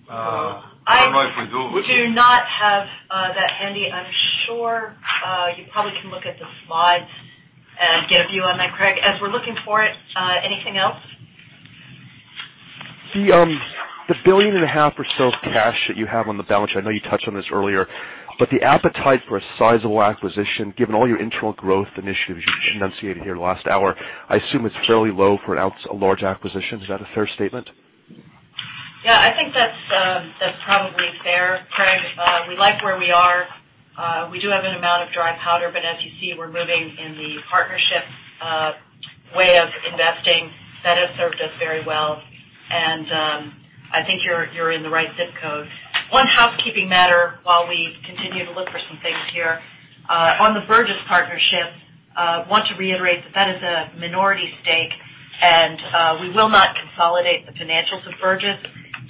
I don't know if we do. We do not have that handy. I'm sure you probably can look at the slides and get a view on that, Craig. As we're looking for it, anything else? The billion and a half or so cash that you have on the balance sheet. I know you touched on this earlier, the appetite for a sizable acquisition, given all your internal growth initiatives you've enunciated here last hour, I assume it's fairly low for a large acquisition. Is that a fair statement? Yeah, I think that's probably fair, Craig. We like where we are. We do have an amount of dry powder, but as you see, we're moving in the partnership way of investing. That has served us very well. I think you're in the right ZIP code. One housekeeping matter while we continue to look for some things here. On the Burgiss partnership, want to reiterate that is a minority stake, and we will not consolidate the financials of Burgiss.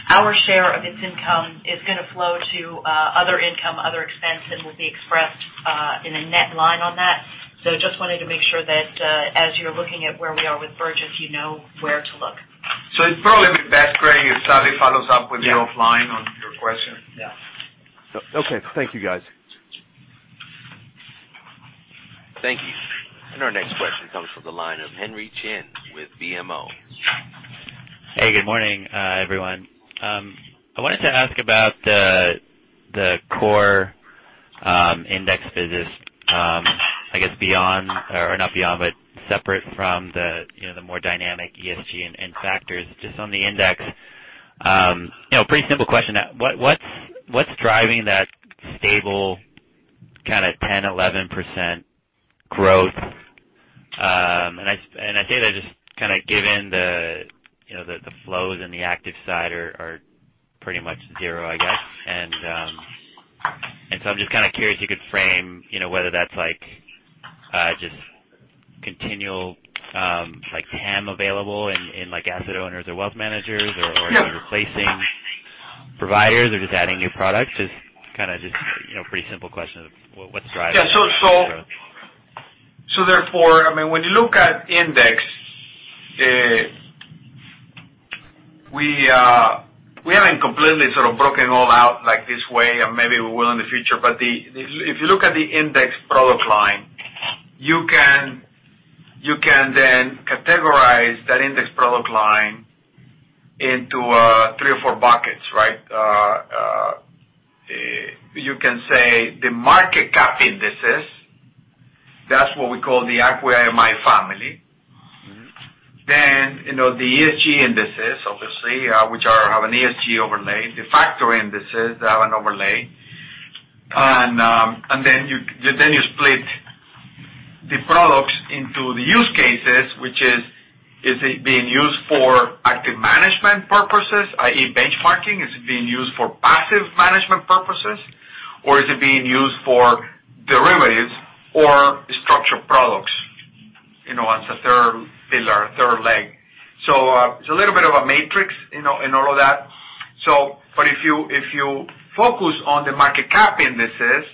Our share of its income is going to flow to other income, other expense, and will be expressed in a net line on that. Just wanted to make sure that as you're looking at where we are with Burgiss, you know where to look. It'd probably be best, Craig, if Salli follows up with you offline on your question. Yeah. Okay. Thank you, guys. Thank you. Our next question comes from the line of Henry Chien with BMO. Hey, good morning, everyone. I wanted to ask about the core index business, I guess beyond or not beyond, but separate from the more dynamic ESG and factors, just on the index. Pretty simple question. What's driving that stable kind of 10, 11% growth? I say that just given the flows in the active side are pretty much zero, I guess. I'm just kind of curious you could frame whether that's just continual TAM available in asset owners or wealth managers or are you replacing providers or just adding new products? Just kind of pretty simple question of what's driving? Yeah. Therefore, when you look at index, we haven't completely sort of broken all out like this way, and maybe we will in the future. If you look at the index product line, you can then categorize that index product line into 3 or 4 buckets, right? You can say the market cap indices, that's what we call the AQR MI family. The ESG indices, obviously, which have an ESG overlay, the factor indices that have an overlay. You split the products into the use cases, which is it being used for active management purposes, i.e., benchmarking? Is it being used for passive management purposes, or is it being used for derivatives or structured products as a third pillar, third leg? It's a little bit of a matrix in all of that. If you focus on the market cap indices,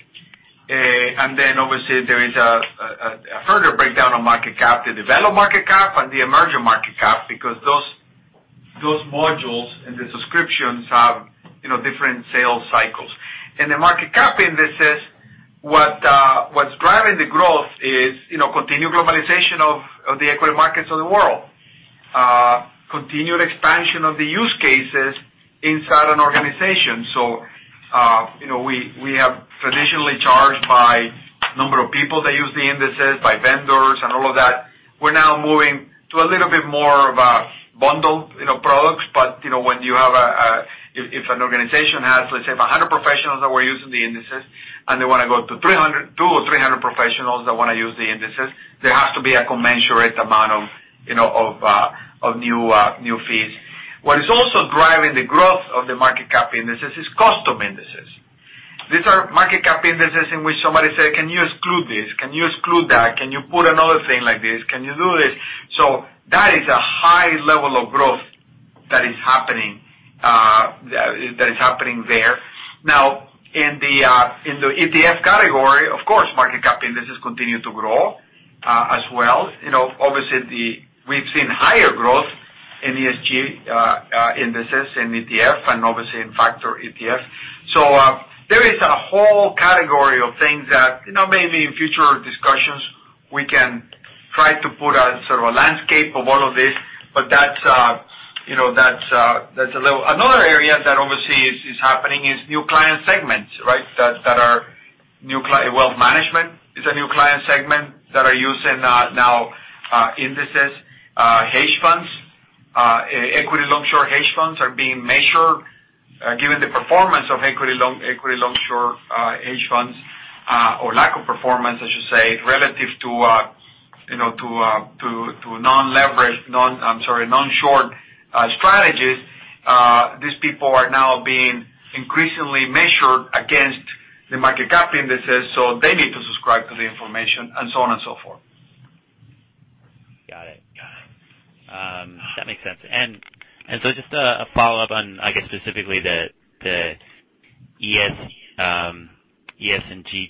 and then obviously there is a further breakdown on market cap, the developed market cap and the emerging market cap, because those modules and the subscriptions have different sales cycles. In the market cap indices, what's driving the growth is continued globalization of the equity markets of the world, continued expansion of the use cases inside an organization. We have traditionally charged by number of people that use the indices, by vendors, and all of that. We're now moving to a little bit more of a bundle. When an organization has, let's say, 100 professionals that were using the indices, and they want to go to 200 or 300 professionals that want to use the indices, there has to be a commensurate amount of new fees. What is also driving the growth of the market cap indices is custom indices. These are market cap indices in which somebody say, "Can you exclude this? Can you exclude that? Can you put another thing like this? Can you do this?" That is a high level of growth that is happening there. In the ETF category, of course, market cap indices continue to grow as well. We've seen higher growth in ESG indices, in ETF, and obviously in factor ETF. There is a whole category of things that, maybe in future discussions, we can try to put a sort of a landscape of all of this. Another area that obviously is happening is new client segments, right? Wealth management is a new client segment that are using now indices. Hedge funds, equity long short hedge funds are being measured given the performance of equity long short hedge funds, or lack of performance, I should say, relative to non-short strategies. These people are now being increasingly measured against the market cap indices, they need to subscribe to the information, and so on and so forth. Got it. That makes sense. Just a follow-up on, I guess, specifically the ESG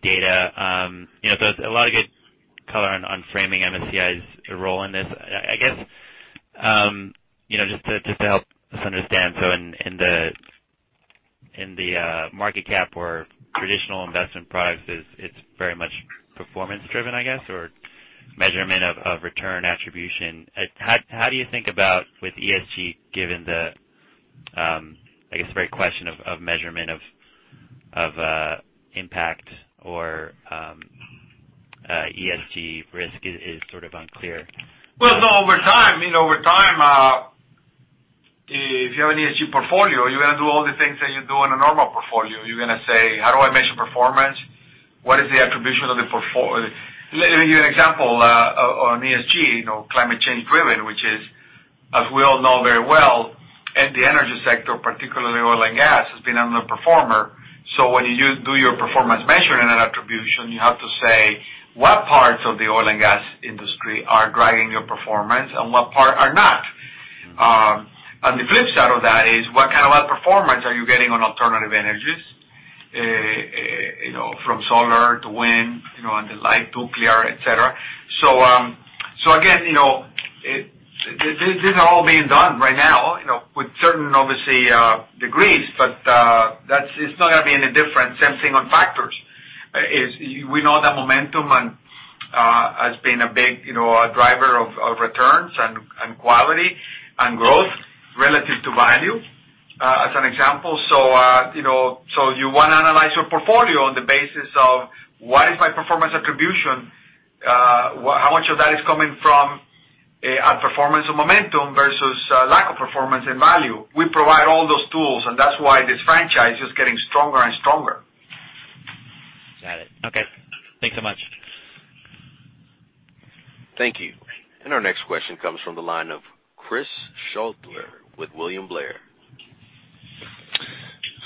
data. There's a lot of good color on framing MSCI's role in this. I guess, just to help us understand, in the market cap or traditional investment products, it's very much performance driven, I guess, or measurement of return attribution. How do you think about with ESG given the, I guess, very question of measurement of impact or ESG risk is sort of unclear? Well, no, over time, if you have an ESG portfolio, you're going to do all the things that you do in a normal portfolio. You're going to say, How do I measure performance? What is the attribution of the. Let me give you an example on ESG, climate change driven, which is, as we all know very well, in the energy sector, particularly oil and gas, has been underperformer. When you do your performance measurement and attribution, you have to say, what parts of the oil and gas industry are driving your performance and what part are not. The flip side of that is what kind of outperformance are you getting on alternative energies, from solar to wind, and the like, nuclear, et cetera. Again, these are all being done right now, with certain, obviously, degrees. It's not going to be any different. Same thing on factors, is we know that momentum has been a big driver of returns, and quality and growth relative to value, as an example. You want to analyze your portfolio on the basis of what is my performance attribution, how much of that is coming from outperformance of momentum versus lack of performance and value. We provide all those tools, and that's why this franchise is getting stronger and stronger. Got it. Okay. Thanks so much. Thank you. Our next question comes from the line of Chris Shutler with William Blair.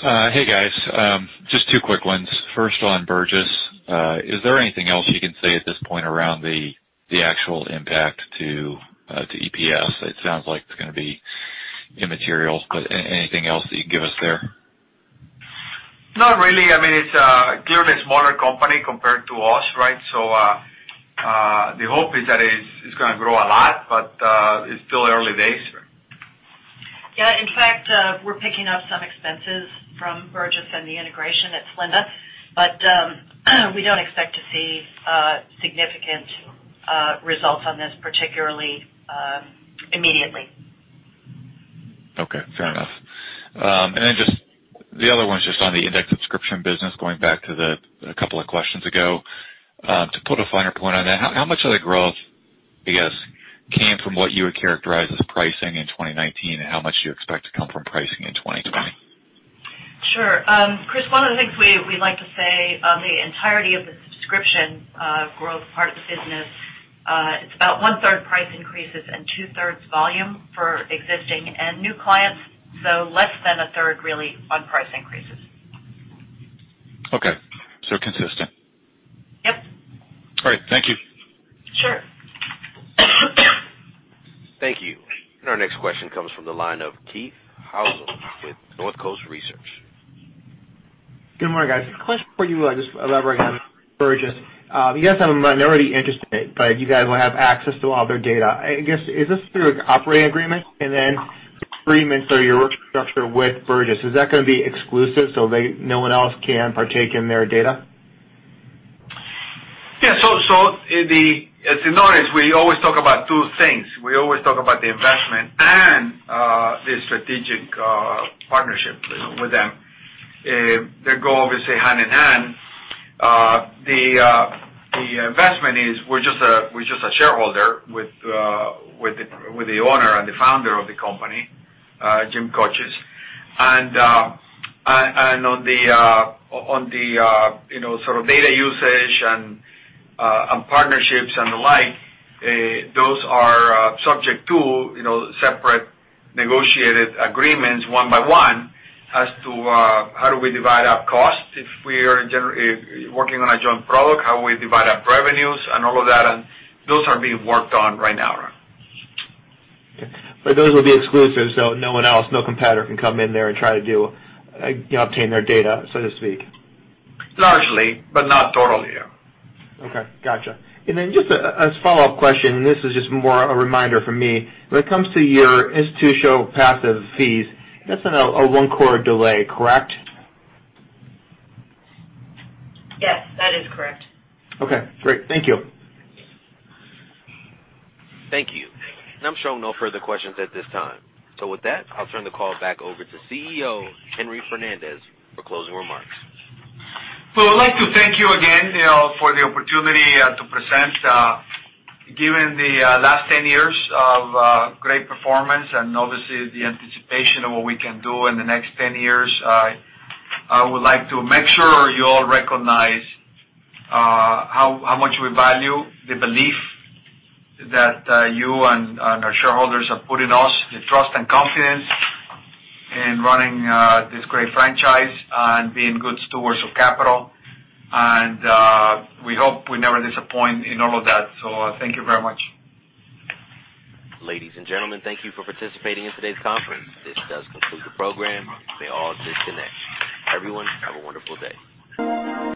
Hey, guys. Just two quick ones. First on Burgiss. Is there anything else you can say at this point around the actual impact to EPS? It sounds like it's going to be immaterial, but anything else that you can give us there? Not really. It's clearly a smaller company compared to us, right? The hope is that it's going to grow a lot, but it's still early days. Yeah. In fact, we're picking up some expenses from Burgiss and the integration at Linda. We don't expect to see significant results on this particularly immediately. Fair enough. The other one's just on the index subscription business, going back to the couple of questions ago. To put a finer point on that, how much of the growth, I guess, came from what you would characterize as pricing in 2019, and how much do you expect to come from pricing in 2020? Sure. Chris, one of the things we like to say, the entirety of the subscription growth part of the business, it's about one-third price increases and two-thirds volume for existing and new clients, less than a third really on price increases. Okay. Consistent. Yep. All right. Thank you. Sure. Thank you. Our next question comes from the line of Keith Housum with Northcoast Research. Good morning, guys. A question for you, just elaborating on Burgiss. You guys have a minority interest in it, but you guys will have access to all their data. I guess, is this through an operating agreement? Agreements or your work structure with Burgiss, is that going to be exclusive so no one else can partake in their data? As you notice, we always talk about two things. We always talk about the investment and the strategic partnership with them. They go, obviously, hand in hand. The investment is we're just a shareholder with the owner and the founder of the company, Jim Kocis. On the sort of data usage and partnerships and the like, those are subject to separate negotiated agreements one by one as to how do we divide up costs. If we're working on a joint product, how we divide up revenues and all of that. Those are being worked on right now. Okay. Those will be exclusive, so no one else, no competitor can come in there and try to obtain their data, so to speak. Largely, but not totally, yeah. Okay, got you. Just a follow-up question, and this is just more a reminder for me. When it comes to your institutional passive fees, that's on a one-quarter delay, correct? Yes, that is correct. Okay, great. Thank you. Thank you. I'm showing no further questions at this time. With that, I'll turn the call back over to CEO Henry Fernandez for closing remarks. Well, I'd like to thank you again for the opportunity to present. Given the last 10 years of great performance and obviously the anticipation of what we can do in the next 10 years, I would like to make sure you all recognize how much we value the belief that you and our shareholders have put in us, the trust and confidence in running this great franchise and being good stewards of capital. We hope we never disappoint in all of that. Thank you very much. Ladies and gentlemen, thank you for participating in today's conference. This does conclude the program. You may all disconnect. Everyone, have a wonderful day.